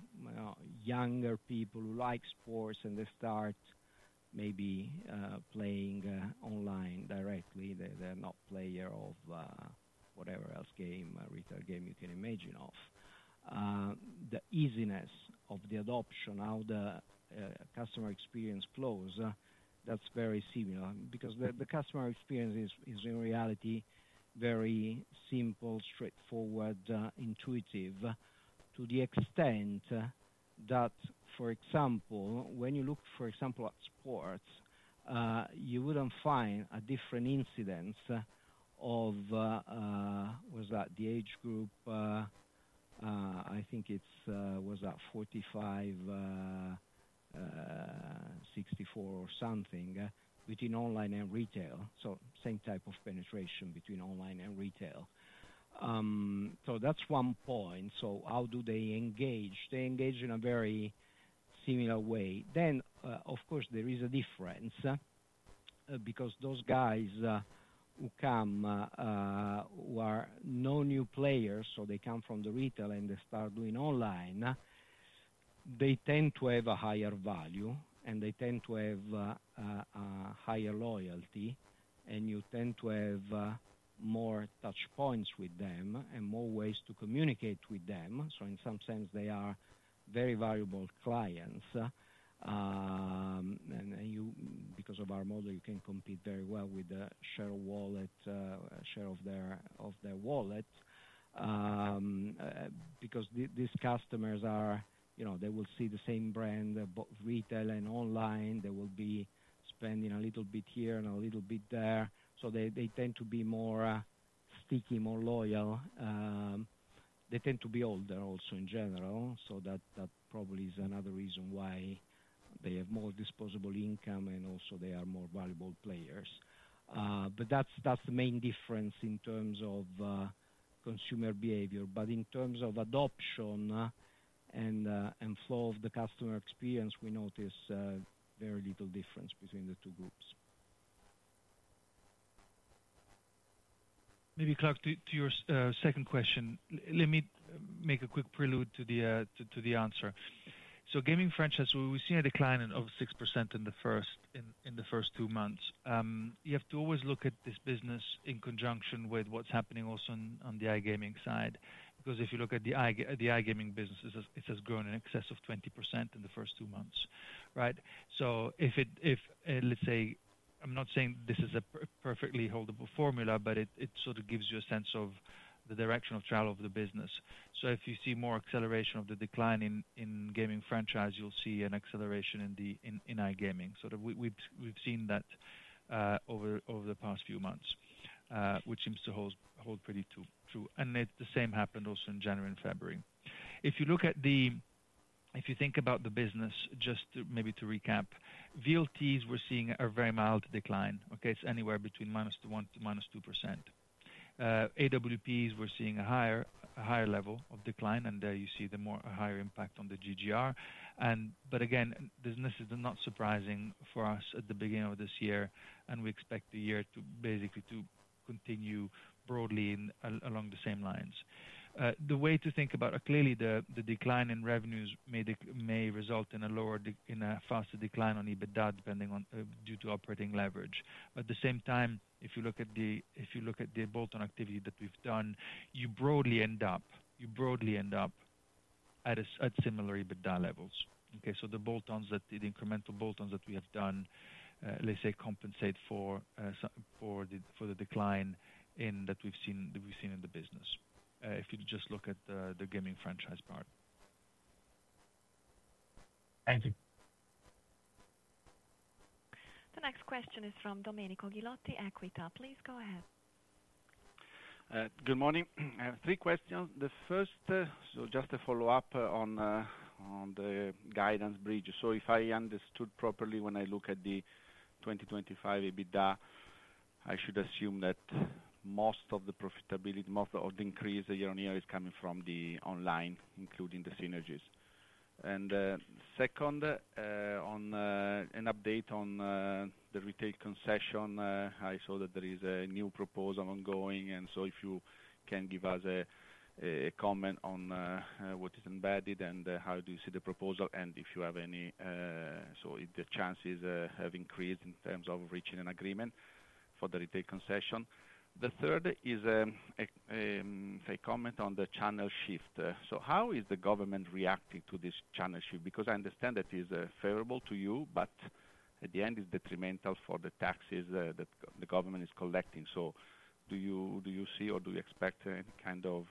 younger people who like sports and they start maybe playing online directly, they're not a player of whatever else game, retail game you can imagine of, the easiness of the adoption, how the customer experience flows, that's very similar because the customer experience is in reality very simple, straightforward, intuitive to the extent that, for example, when you look, for example, at sports, you wouldn't find a different incidence of, what was that, the age group, I think it was at 45, 64, or something between online and retail. So same type of penetration between online and retail. So that's one point. So how do they engage? They engage in a very similar way. Then, of course, there is a difference because those guys who come, who are no new players, so they come from the retail and they start doing online, they tend to have a higher value, and they tend to have higher loyalty, and you tend to have more touchpoints with them and more ways to communicate with them. So in some sense, they are very valuable clients. And because of our model, you can compete very well with the share of their wallet because these customers, they will see the same brand both retail and online. They will be spending a little bit here and a little bit there. So they tend to be more sticky, more loyal. They tend to be older also in general. So that probably is another reason why they have more disposable income and also they are more valuable players. But that's the main difference in terms of consumer behavior. But in terms of adoption and flow of the customer experience, we notice very little difference between the two groups. Maybe, Clark, to your second question, let me make a quick prelude to the answer. So gaming franchise, we've seen a decline of 6% in the first two months. You have to always look at this business in conjunction with what's happening also on the iGaming side because if you look at the iGaming business, it has grown in excess of 20% in the first two months, right? So if, let's say, I'm not saying this is a perfectly holdable formula, but it sort of gives you a sense of the direction of travel of the business. So if you see more acceleration of the decline in gaming franchise, you'll see an acceleration in iGaming. So we've seen that over the past few months, which seems to hold pretty true. And the same happened also in January and February. If you look at the, if you think about the business, just maybe to recap, VLTs, we're seeing a very mild decline. Okay? It's anywhere between -1% to -2%. AWPs, we're seeing a higher level of decline, and there you see a higher impact on the GGR. But again, this is not surprising for us at the beginning of this year, and we expect the year to basically continue broadly along the same lines. The way to think about, clearly, the decline in revenues may result in a faster decline on EBITDA depending on due to operating leverage. At the same time, if you look at the bolt-on activity that we've done, you broadly end up, you broadly end up at similar EBITDA levels. Okay? So the incremental bolt-ons that we have done, let's say, compensate for the decline that we've seen in the business if you just look at the gaming franchise part. Thank you. The next question is from Domenico Ghilotti, Equita. Please go ahead. Good morning. I have three questions. The first, so just a follow-up on the guidance bridge. So if I understood properly, when I look at the 2025 EBITDA, I should assume that most of the profitability, most of the increase year on year is coming from the online, including the synergies. And second, on an update on the retail concession, I saw that there is a new proposal ongoing. If you can give us a comment on what is embedded and how do you see the proposal and if you have any, so if the chances have increased in terms of reaching an agreement for the retail concession. The third is a comment on the channel shift. How is the government reacting to this channel shift? Because I understand that it is favorable to you, but at the end, it's detrimental for the taxes that the government is collecting. Do you see or do you expect any kind of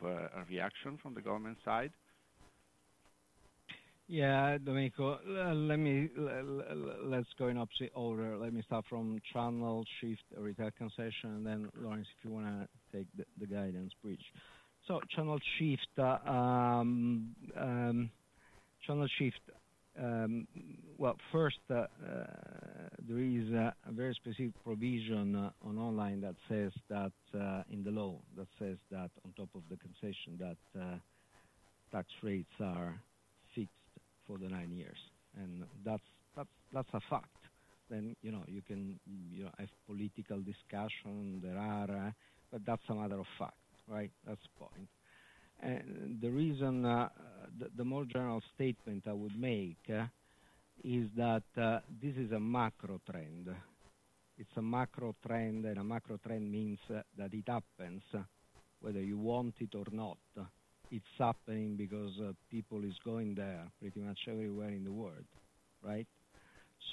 reaction from the government side? Yeah, Domenico, let's go in opposite order. Let me start from channel shift, retail concession. Then, Laurence, if you want to take the guidance bridge. So channel shift, well, first, there is a very specific provision on online that says that in the law that says that on top of the concession that tax rates are fixed for the nine years. And that's a fact. Then you can have political discussion there are, but that's a matter of fact, right? That's the point. And the more general statement I would make is that this is a macro trend. It's a macro trend, and a macro trend means that it happens whether you want it or not. It's happening because people are going there pretty much everywhere in the world, right?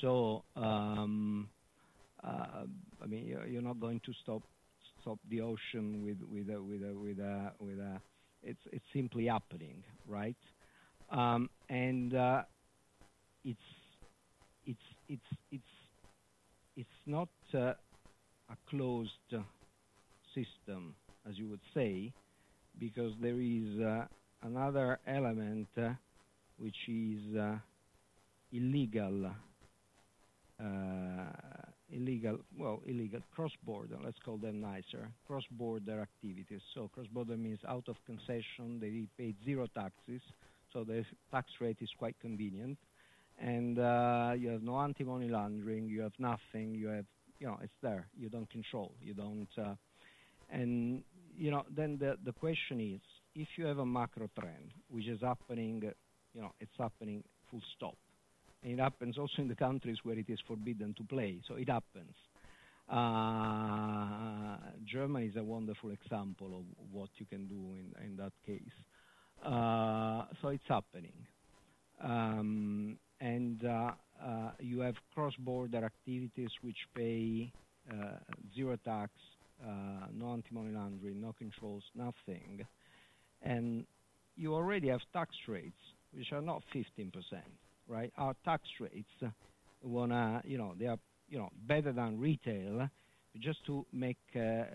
So I mean, you're not going to stop the ocean with a. It's simply happening, right? And it's not a closed system, as you would say, because there is another element which is illegal, well, illegal cross-border. Let's call them nicer, cross-border activities. Cross-border means out of concession. They pay zero taxes, so the tax rate is quite convenient. And you have no anti-money laundering. You have nothing. It's there. You don't control. And then the question is, if you have a macro trend which is happening, it's happening full stop. And it happens also in the countries where it is forbidden to play. So it happens. Germany is a wonderful example of what you can do in that case. So it's happening. And you have cross-border activities which pay zero tax, no anti-money laundering, no controls, nothing. And you already have tax rates which are not 15%, right? Our tax rates want to—they are better than retail. But just to make clear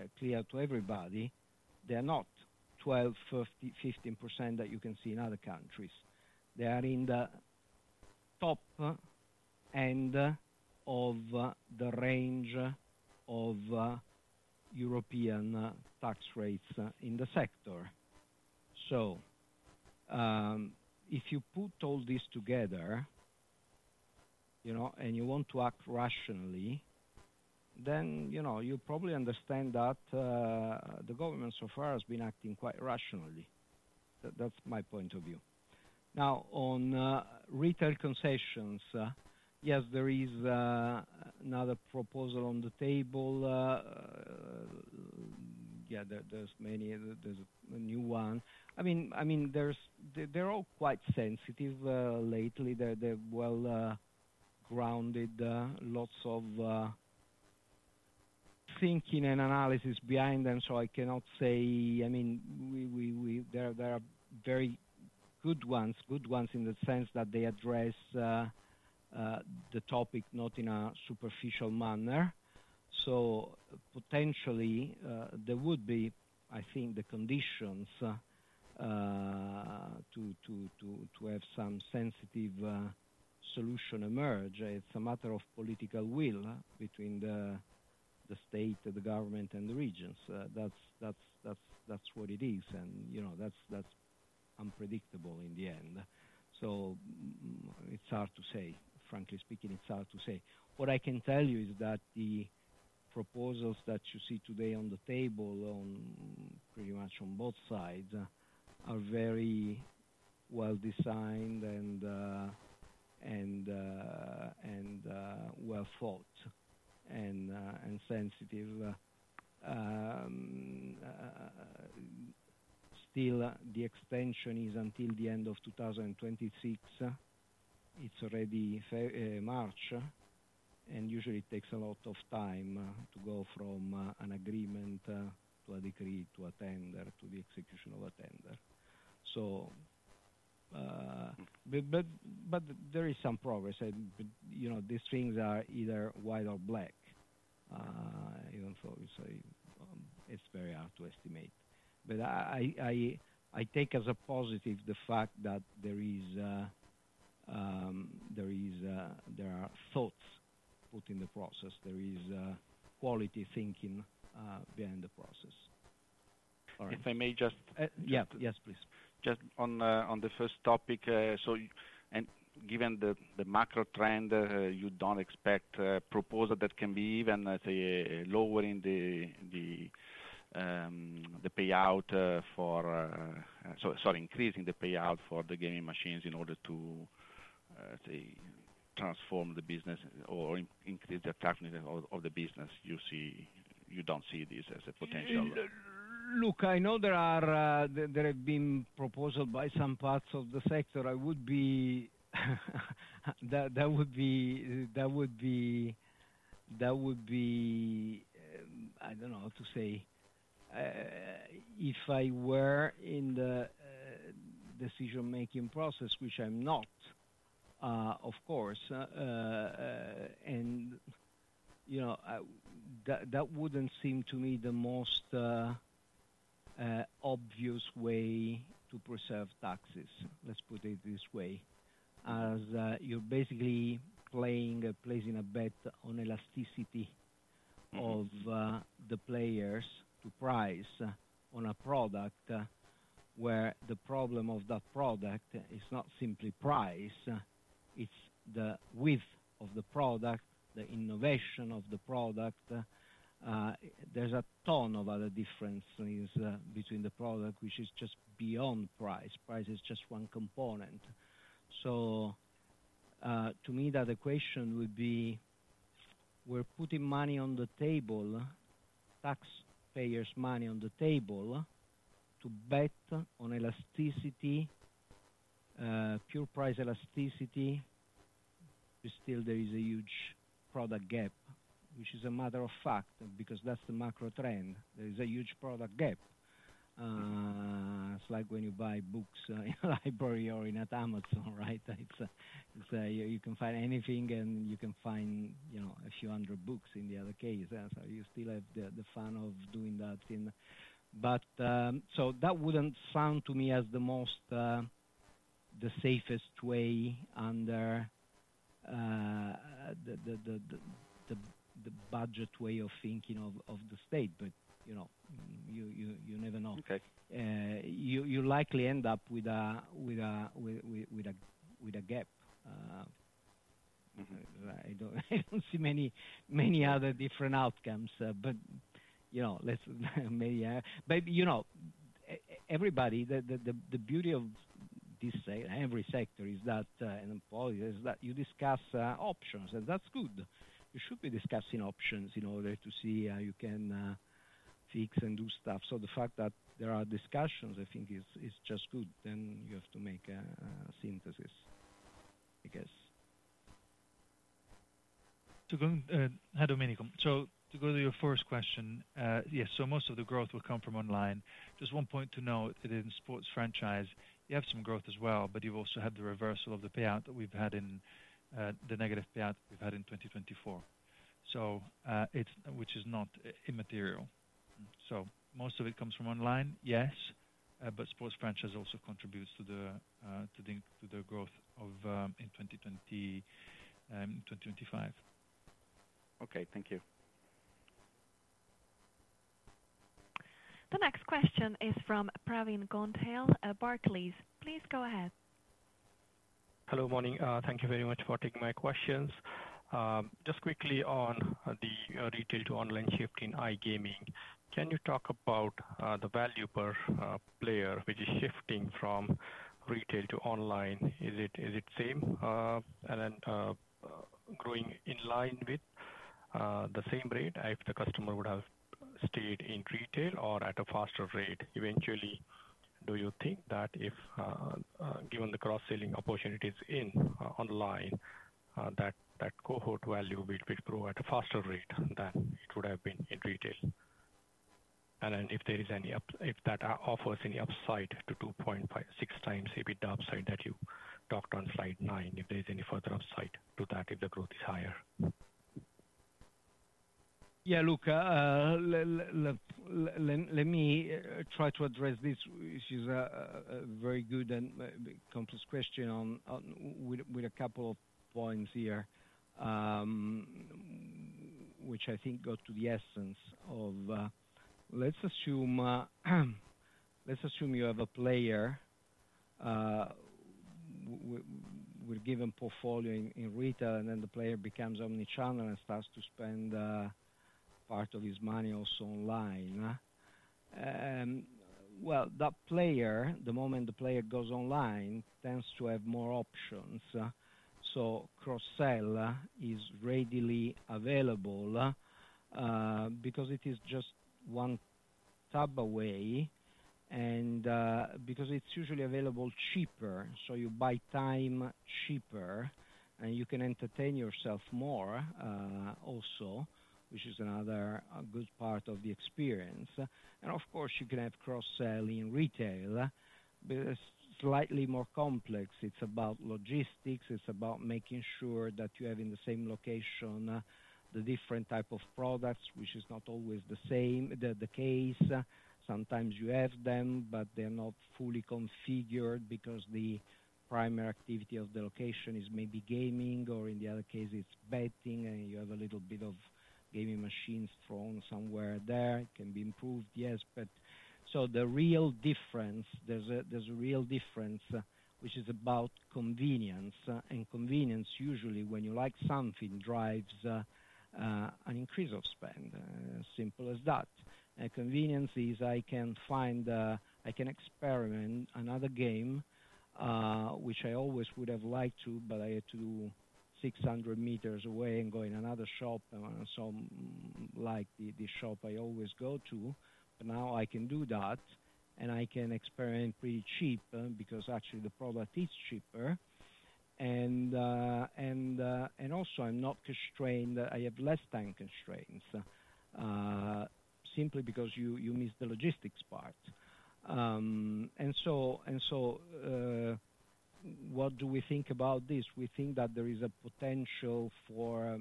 to everybody, they are not 12%, 15% that you can see in other countries. They are in the top end of the range of European tax rates in the sector. So if you put all this together and you want to act rationally, then you probably understand that the government so far has been acting quite rationally. That's my point of view. Now, on retail concessions, yes, there is another proposal on the table. Yeah, there's a new one. I mean, they're all quite sensitive lately. They're well-grounded, lots of thinking and analysis behind them. So I cannot say, I mean, there are very good ones, good ones in the sense that they address the topic not in a superficial manner. So potentially, there would be, I think, the conditions to have some sensitive solution emerge. It's a matter of political will between the state and the government and the regions. That's what it is, and that's unpredictable in the end. So it's hard to say. Frankly speaking, it's hard to say. What I can tell you is that the proposals that you see today on the table, pretty much on both sides, are very well-designed and well-thought and sensitive. Still, the extension is until the end of 2026. It's already March, and usually, it takes a lot of time to go from an agreement to a decree to a tender to the execution of a tender. But there is some progress. These things are either white or black. It's very hard to estimate. But I take as a positive the fact that there are thoughts put in the process. There is quality thinking behind the process. If I may just. Yes, please. Just on the first topic, so given the macro trend, you don't expect a proposal that can be even, let's say, lowering the payout for, sorry, increasing the payout for the gaming machines in order to, let's say, transform the business or increase the attractiveness of the business. You don't see this as a potential? Look, I know there have been proposals by some parts of the sector. That would be, I don't know how to say. If I were in the decision-making process, which I'm not, of course, and that wouldn't seem to me the most obvious way to preserve taxes, let's put it this way, as you're basically placing a bet on elasticity of the players to price on a product where the problem of that product is not simply price. It's the width of the product, the innovation of the product. There's a ton of other differences between the product, which is just beyond price. Price is just one component. So to me, that equation would be we're putting money on the table, taxpayers' money on the table, to bet on elasticity, pure price elasticity. Still, there is a huge product gap, which is a matter of fact because that's the macro trend. There is a huge product gap. It's like when you buy books in a library or at Amazon, right? You can find anything, and you can find a few hundred books in the other case. So you still have the fun of doing that. But so that wouldn't sound to me as the safest way under the budget way of thinking of the state. But you never know. You likely end up with a gap. I don't see many other different outcomes. But maybe everybody, the beauty of every sector is that, and policy is that you discuss options. And that's good. You should be discussing options in order to see how you can fix and do stuff. So the fact that there are discussions, I think, is just good. Then you have to make a synthesis, I guess. Hello, Domenico. So to go to your first question, yes, so most of the growth will come from online. Just one point to note that in sports franchise, you have some growth as well, but you've also had the reversal of the payout that we've had in the negative payouts we've had in 2024, which is not immaterial. So most of it comes from online, yes, but sports franchise also contributes to the growth in 2025. Okay. Thank you. The next question is from Pravin Gondhale at Barclays. Please go ahead. Hello, morning. Thank you very much for taking my questions. Just quickly on the retail to online shift in iGaming, can you talk about the value per player which is shifting from retail to online? Is it same and then growing in line with the same rate if the customer would have stayed in retail or at a faster rate? Eventually, do you think that given the cross-selling opportunities online, that cohort value will grow at a faster rate than it would have been in retail? And then if there is any that offers any upside to 2.6 times EBITDA upside that you talked on slide nine, if there is any further upside to that if the growth is higher? Yeah, look, let me try to address this. This is a very good and complex question with a couple of points here, which I think go to the essence of let's assume you have a player with a given portfolio in retail, and then the player becomes omnichannel and starts to spend part of his money also online. Well, that player, the moment the player goes online, tends to have more options. So cross-sell is readily available because it is just one tab away and because it's usually available cheaper. So you buy time cheaper, and you can entertain yourself more also, which is another good part of the experience. And of course, you can have cross-sell in retail, but it's slightly more complex. It's about logistics. It's about making sure that you have in the same location the different type of products, which is not always the case. Sometimes you have them, but they're not fully configured because the primary activity of the location is maybe gaming, or in the other case, it's betting, and you have a little bit of gaming machines thrown somewhere there. It can be improved, yes. So the real difference, which is about convenience. And convenience, usually, when you like something, drives an increase of spend. Simple as that. And convenience is I can find, I can experiment another game, which I always would have liked to, but I had to do 600 meters away and go in another shop. And so I like the shop I always go to. But now I can do that, and I can experiment pretty cheap because actually the product is cheaper. And also, I'm not constrained. I have less time constraints simply because you miss the logistics part. And so what do we think about this? We think that there is a potential for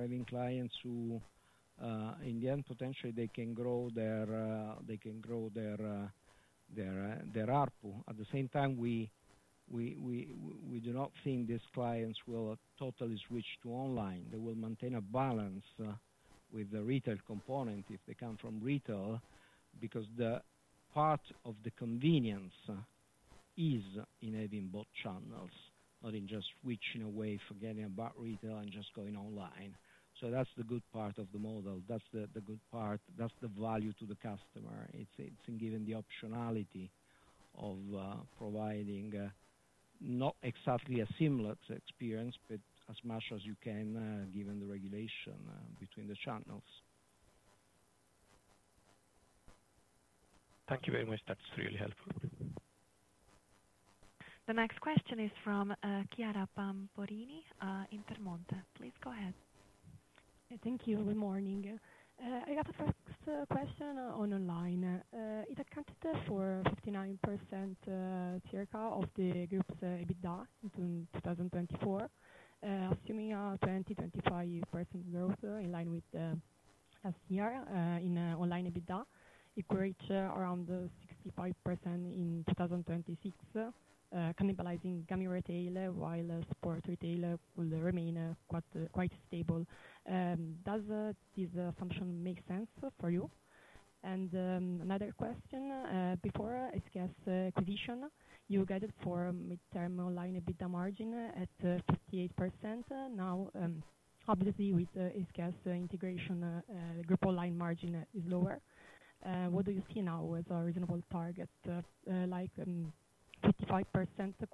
having clients who, in the end, potentially, they can grow their ARPU. At the same time, we do not think these clients will totally switch to online. They will maintain a balance with the retail component if they come from retail because part of the convenience is in having both channels, not in just switching away, forgetting about retail and just going online. So that's the good part of the model. That's the good part. That's the value to the customer. It's in giving the optionality of providing not exactly a similar experience, but as much as you can given the regulation between the channels. Thank you very much. That's really helpful. The next question is from Chiara Rotelli at Intermonte. Please go ahead. Thank you. Good morning. I got the first question online. It accounted for circa 59% of the group's EBITDA in 2024, assuming a 20%-25% growth in line with last year in online EBITDA. It reached around 65% in 2026, cannibalizing gaming retail while sports retail will remain quite stable. Does this assumption make sense for you? And another question. Before SKS acquisition, you guided for midterm online EBITDA margin at 58%. Now, obviously, with SKS integration, the group online margin is lower. What do you see now as a reasonable target? Like 55%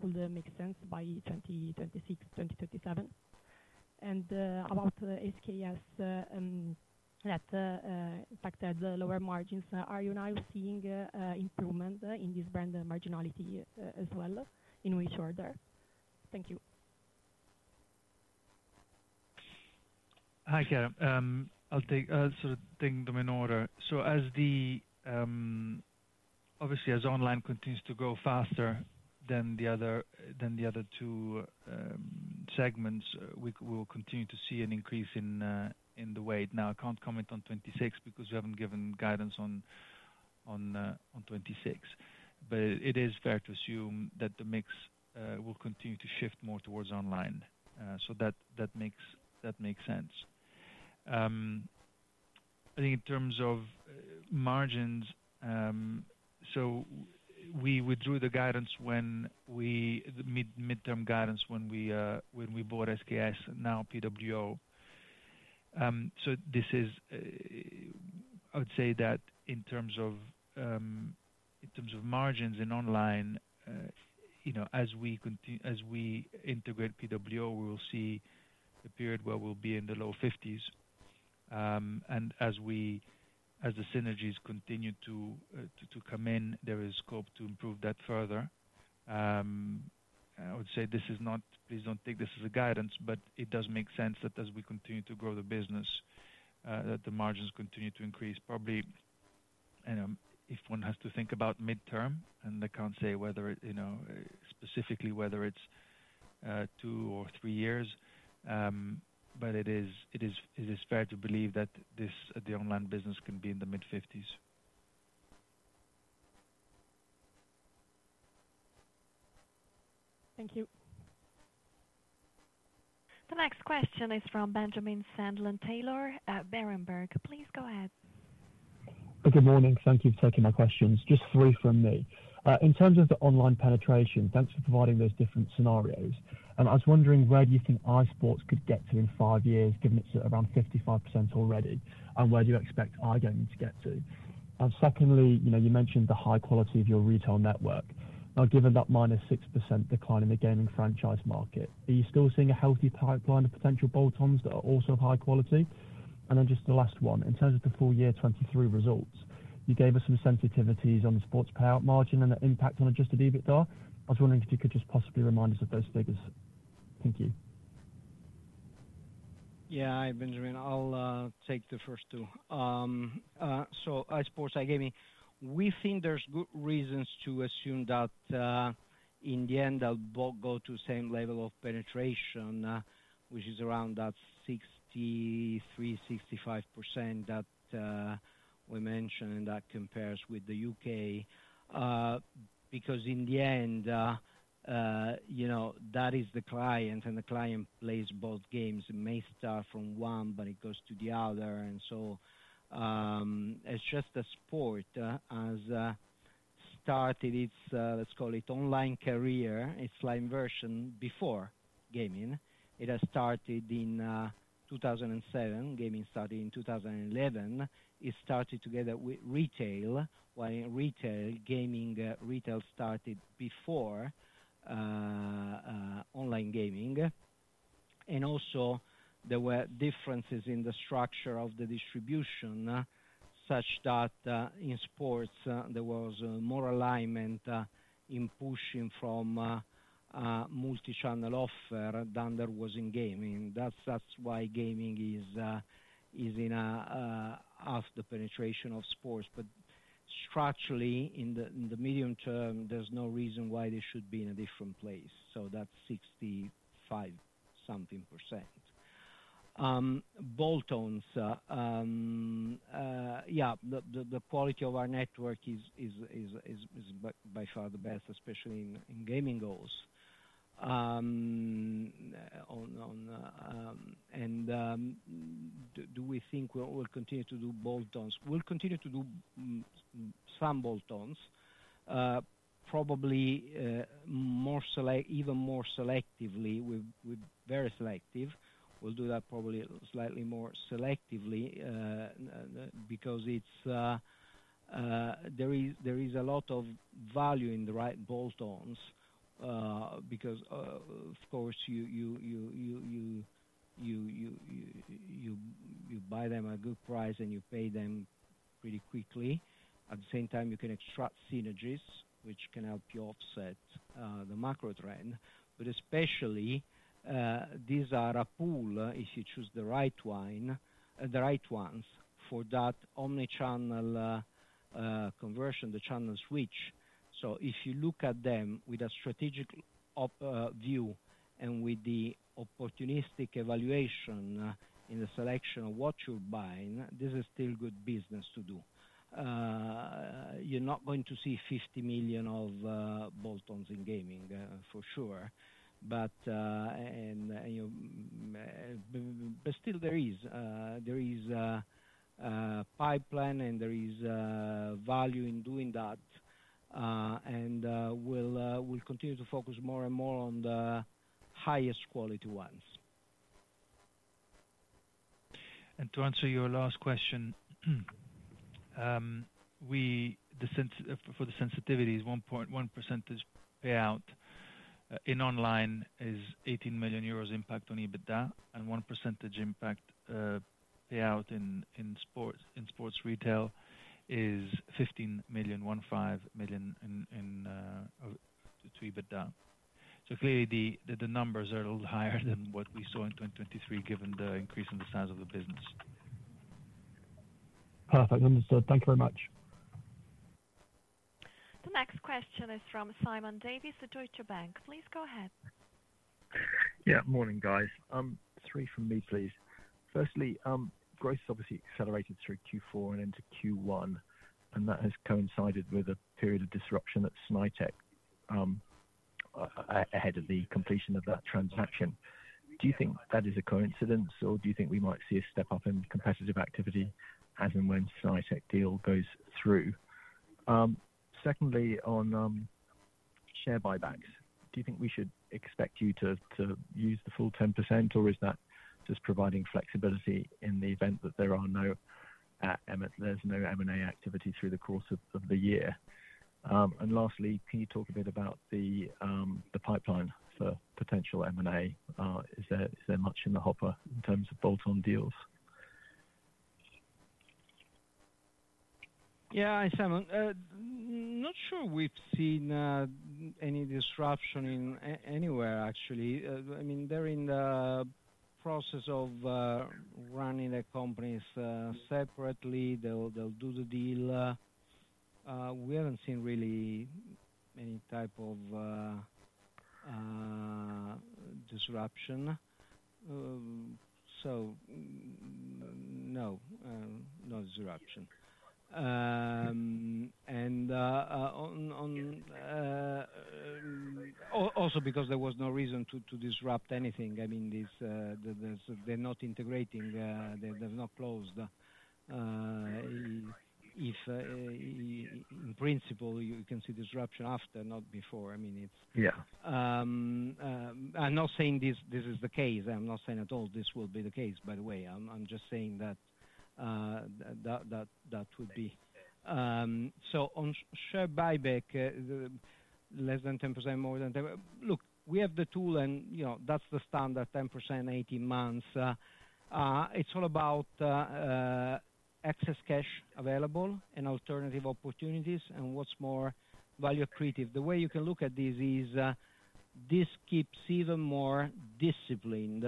could make sense by 2026-2027. And about SKS that impacted lower margins, are you now seeing improvement in this brand marginality as well? In which order? Thank you. Hi, Chiara. I'll sort of think them in order. So obviously, as online continues to grow faster than the other two segments, we will continue to see an increase in the weight. Now, I can't comment on 2026 because we haven't given guidance on 2026, but it is fair to assume that the mix will continue to shift more towards online, so that makes sense. I think in terms of margins, so we withdrew the mid-term guidance when we bought SKS and now PWO, so this is, I would say that in terms of margins in online, as we integrate PWO, we will see a period where we'll be in the low 50s, and as the synergies continue to come in, there is scope to improve that further. I would say this is not. Please don't take this as guidance, but it does make sense that as we continue to grow the business, that the margins continue to increase. Probably if one has to think about midterm, and I can't say specifically whether it's two or three years, but it is fair to believe that the online business can be in the mid-50s. Thank you. The next question is from Benjamin Sandland-Taylor at Berenberg. Please go ahead. Good morning. Thank you for taking my questions. Just three from me. In terms of the online penetration, thanks for providing those different scenarios. I was wondering where do you think our sports could get to in five years given it's around 55% already, and where do you expect our gaming to get to? Secondly, you mentioned the high quality of your retail network. Now, given that -6% decline in the gaming franchise market, are you still seeing a healthy pipeline of potential bolt-ons that are also of high quality? And then just the last one. In terms of the full year 2023 results, you gave us some sensitivities on the sports payout margin and the impact on adjusted EBITDA. I was wondering if you could just possibly remind us of those figures. Thank you. Yeah, Benjamin, I'll take the first two. So our sports iGaming, we think there's good reasons to assume that in the end, they'll both go to the same level of penetration, which is around that 63%-65% that we mentioned that compares with the U.K. because in the end, that is the client, and the client plays both games. It may start from one, but it goes to the other. And so it's just a sport. It started its, let's call it online career, its online version before gaming. It has started in 2007. Gaming started in 2011. It started together with retail. While in retail, gaming retail started before online gaming. And also, there were differences in the structure of the distribution such that in sports, there was more alignment in pushing from multi-channel offer than there was in gaming. That's why gaming is in half the penetration of sports. But structurally, in the medium term, there's no reason why they should be in a different place. So that's 65-something%. Bolt-ons, yeah, the quality of our network is by far the best, especially in gaming goals. And do we think we'll continue to do bolt-ons? We'll continue to do some bolt-ons, probably even more selectively with very selective. We'll do that probably slightly more selectively because there is a lot of value in the right bolt-ons because, of course, you buy them at a good price, and you pay them pretty quickly. At the same time, you can extract synergies, which can help you offset the macro trend, but especially these are a pool if you choose the right ones for that omnichannel conversion, the channel switch, so if you look at them with a strategic view and with the opportunistic evaluation in the selection of what you're buying, this is still good business to do. You're not going to see 50 million of bolt-ons in gaming, for sure, but still there is pipeline, and there is value in doing that, and we'll continue to focus more and more on the highest quality ones. And to answer your last question, for the sensitivities, 1% payout in online is 18 million euros impact on EBITDA, and 1% impact payout in sports retail is 15 million, 15 million to EBITDA. So clearly, the numbers are a little higher than what we saw in 2023 given the increase in the size of the business. Perfect. Understood. Thank you very much. The next question is from Simon Davies at Deutsche Bank. Please go ahead. Yeah. Morning, guys. Three from me, please. Firstly, growth has obviously accelerated through Q4 and into Q1, and that has coincided with a period of disruption at Snaitech ahead of the completion of that transaction. Do you think that is a coincidence, or do you think we might see a step up in competitive activity as and when Snaitech deal goes through? Secondly, on share buybacks, do you think we should expect you to use the full 10%, or is that just providing flexibility in the event that there's no M&A activity through the course of the year? And lastly, can you talk a bit about the pipeline for potential M&A? Is there much in the hopper in terms of bolt-on deals? Yeah, Simon, not sure we've seen any disruption anywhere, actually. I mean, they're in the process of running their companies separately. They'll do the deal. We haven't seen really any type of disruption. So no, no disruption. And also because there was no reason to disrupt anything. I mean, they're not integrating. They've not closed. If in principle, you can see disruption after, not before. I mean, it's, yeah. I'm not saying this is the case. I'm not saying at all this will be the case, by the way. I'm just saying that that would be, so on share buyback, less than 10%, more than 10%. Look, we have the tool, and that's the standard 10%, 18 months. It's all about excess cash available and alternative opportunities and what's more value accretive. The way you can look at this is this keeps even more disciplined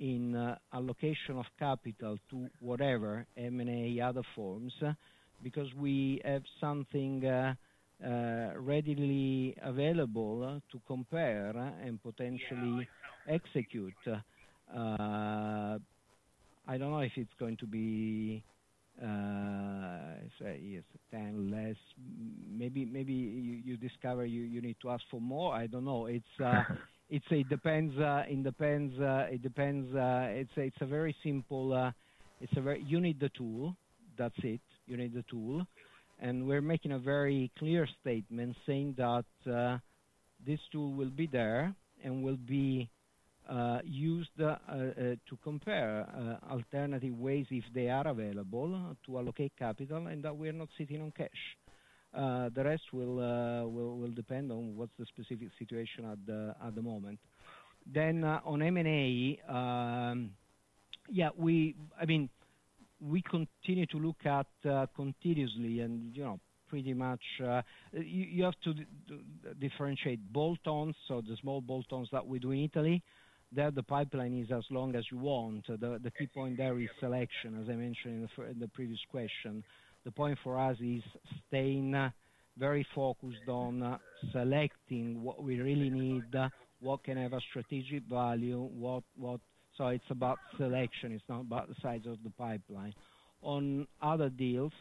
in allocation of capital to whatever M&A other forms because we have something readily available to compare and potentially execute. I don't know if it's going to be, say, yes, 10 less. Maybe you discover you need to ask for more. I don't know. It depends. It depends. It's a very simple, you need the tool. That's it. You need the tool. And we're making a very clear statement saying that this tool will be there and will be used to compare alternative ways if they are available to allocate capital and that we are not sitting on cash. The rest will depend on what's the specific situation at the moment. Then on M&A, yeah, I mean, we continue to look at continuously and pretty much you have to differentiate bolt-ons. So the small bolt-ons that we do in Italy, there the pipeline is as long as you want. The key point there is selection, as I mentioned in the previous question. The point for us is staying very focused on selecting what we really need, what can have a strategic value. So it's about selection. It's not about the size of the pipeline. On other deals,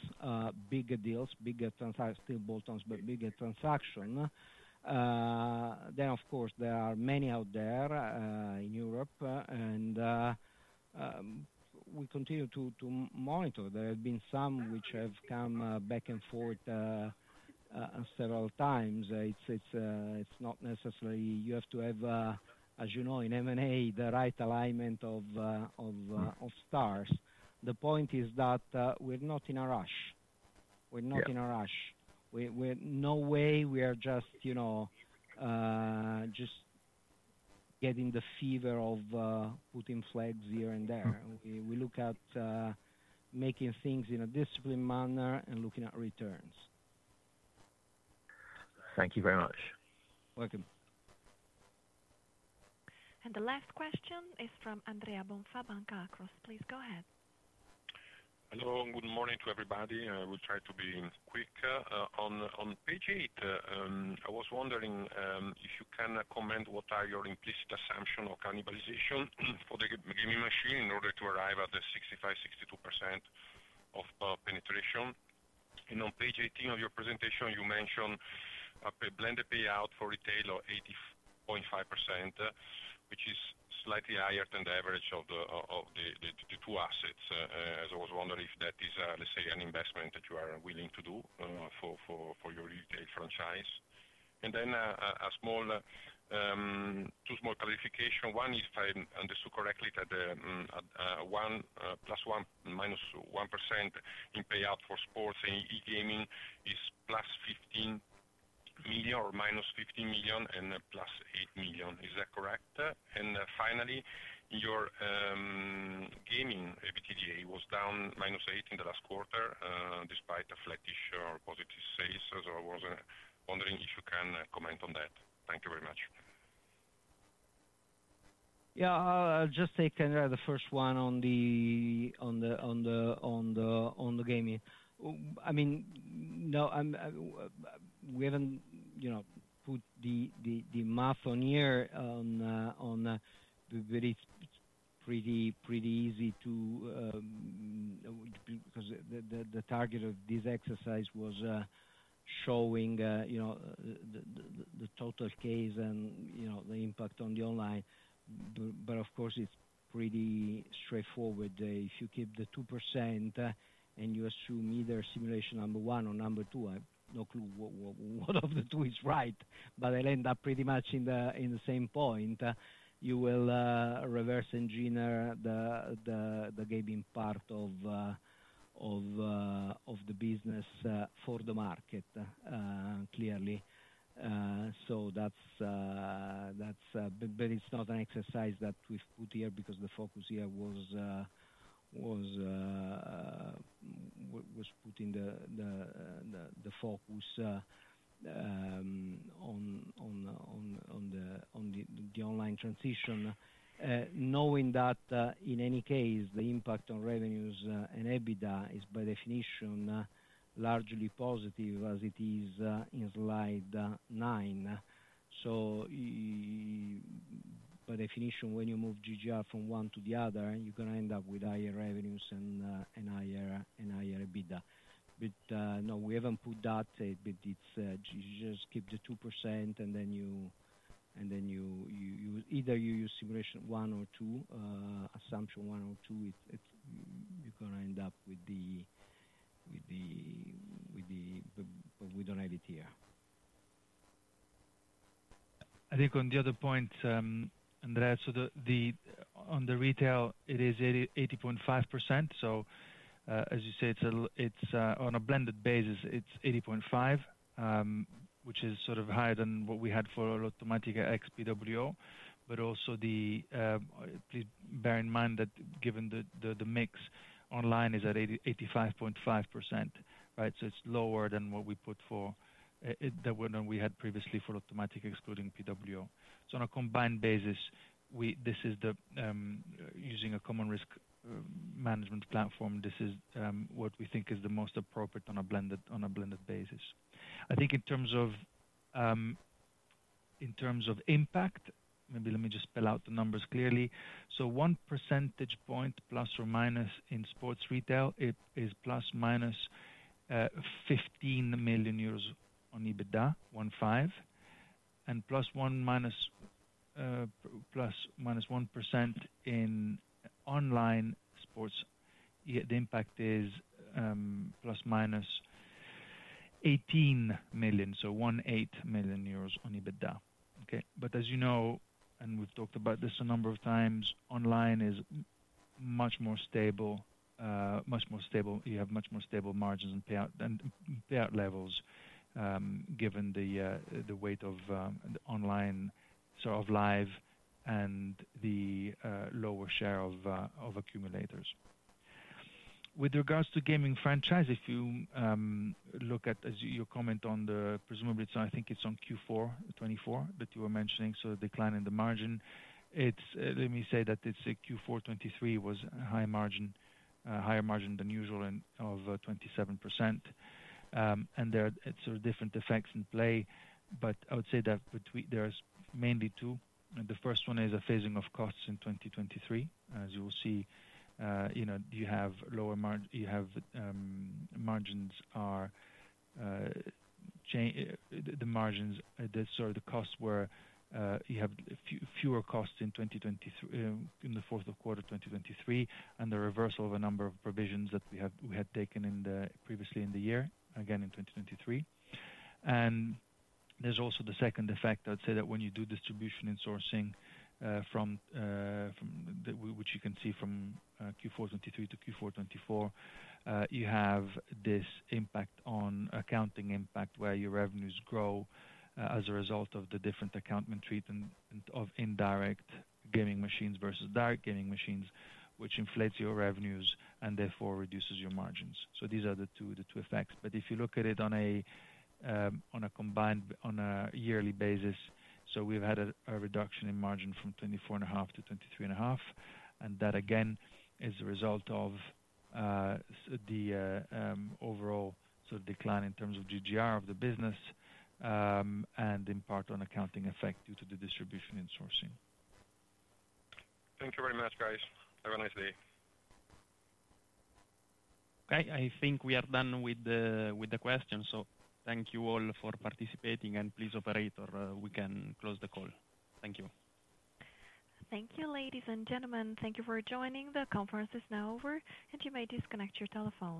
bigger deals, bigger still bolt-ons, but bigger transaction. Then, of course, there are many out there in Europe, and we continue to monitor. There have been some which have come back and forth several times. It's not necessarily you have to have, as you know, in M&A, the right alignment of stars. The point is that we're not in a rush. We're not in a rush. No way we are just getting the fever of putting flags here and there. We look at making things in a disciplined manner and looking at returns. Thank you very much. Welcome, and the last question is from Andrea Bonfà, Banca Akros. Please go ahead. Hello. Good morning to everybody. I will try to be quick. On Page eight, I was wondering if you can comment what are your implicit assumptions of cannibalization for the gaming machine in order to arrive at the 65%-62% penetration. On Page 18 of your presentation, you mentioned a blended payout for retail of 80.5%, which is slightly higher than the average of the two assets. I was wondering if that is, let's say, an investment that you are willing to do for your retail franchise. Then two small clarifications. One is, if I understood correctly, that one plus one -1% in payout for sports and iGaming is +15 million or -15 million and +8 million. Is that correct? Finally, your gaming EBITDA was down minus eight in the last quarter despite a flattish or positive sales. So I was wondering if you can comment on that. Thank you very much. Yeah. I'll just take the first one on the gaming. I mean, no, we haven't put the math on here, but it's pretty easy to because the target of this exercise was showing the total case and the impact on the online. But of course, it's pretty straightforward. If you keep the 2% and you assume either simulation number one or number two, I have no clue what of the two is right, but they'll end up pretty much in the same point. You will reverse engineer the gaming part of the business for the market, clearly. So that's. But it's not an exercise that we've put here because the focus here was putting the focus on the online transition, knowing that in any case, the impact on revenues and EBITDA is by definition largely positive as it is in Slide nine. By definition, when you move GGR from one to the other, you're going to end up with higher revenues and higher EBITDA. But no, we haven't put that. But it's just keep the 2%, and then you either use simulation one or two, assumption one or two, you're going to end up with, but we don't have it here. I think on the other point, Andrea, so on the retail, it is 80.5%. So as you say, on a blended basis, it's 80.5%, which is sort of higher than what we had for Lottomatica ex PWO. But also, please bear in mind that given the mix, online is at 85.5%, right? So it's lower than what we put for that we had previously for Lottomatica excluding PWO. So on a combined basis, this is the using a common risk management platform. This is what we think is the most appropriate on a blended basis. I think in terms of impact, maybe let me just spell out the numbers clearly. So one percentage point plus or minus in sports retail, it is plus -€ 15 million on EBITDA, 15. And plus -1% in online sports, the impact is plus -€ 18 million. So € 18 million on EBITDA. Okay. But as you know, and we've talked about this a number of times, online is much more stable. Much more stable. You have much more stable margins and payout levels given the weight of online sort of live and the lower share of accumulators. With regards to gaming franchise, if you look at, as you comment on the presumably, so I think it's on Q4 2024 that you were mentioning, so the decline in the margin. Let me say that Q4 2023 was a higher margin than usual of 27%, and there are sort of different effects in play, but I would say that there are mainly two. The first one is a phasing of costs in 2023. As you will see, you have lower margins. You have fewer costs in the Q4 of 2023 and the reversal of a number of provisions that we had taken previously in the year, again, in 2023, and there's also the second effect. I would say that when you do distribution and sourcing, which you can see from Q4 2023 to Q4 2024, you have this an accounting impact where your revenues grow as a result of the different accounting treatment of indirect gaming machines versus direct gaming machines, which inflates your revenues and therefore reduces your margins. So these are the two effects. But if you look at it on a combined on a yearly basis, so we've had a reduction in margin from 24.5% to 23.5%. And that, again, is the result of the overall sort of decline in terms of GGR of the business and in part an accounting effect due to the distribution and sourcing. Thank you very much, guys. Have a nice day. Okay. I think we are done with the questions. So thank you all for participating. And please, operator, we can close the call. Thank you. Thank you, ladies and gentlemen. Thank you for joining. The conference is now over, and you may disconnect your telephone.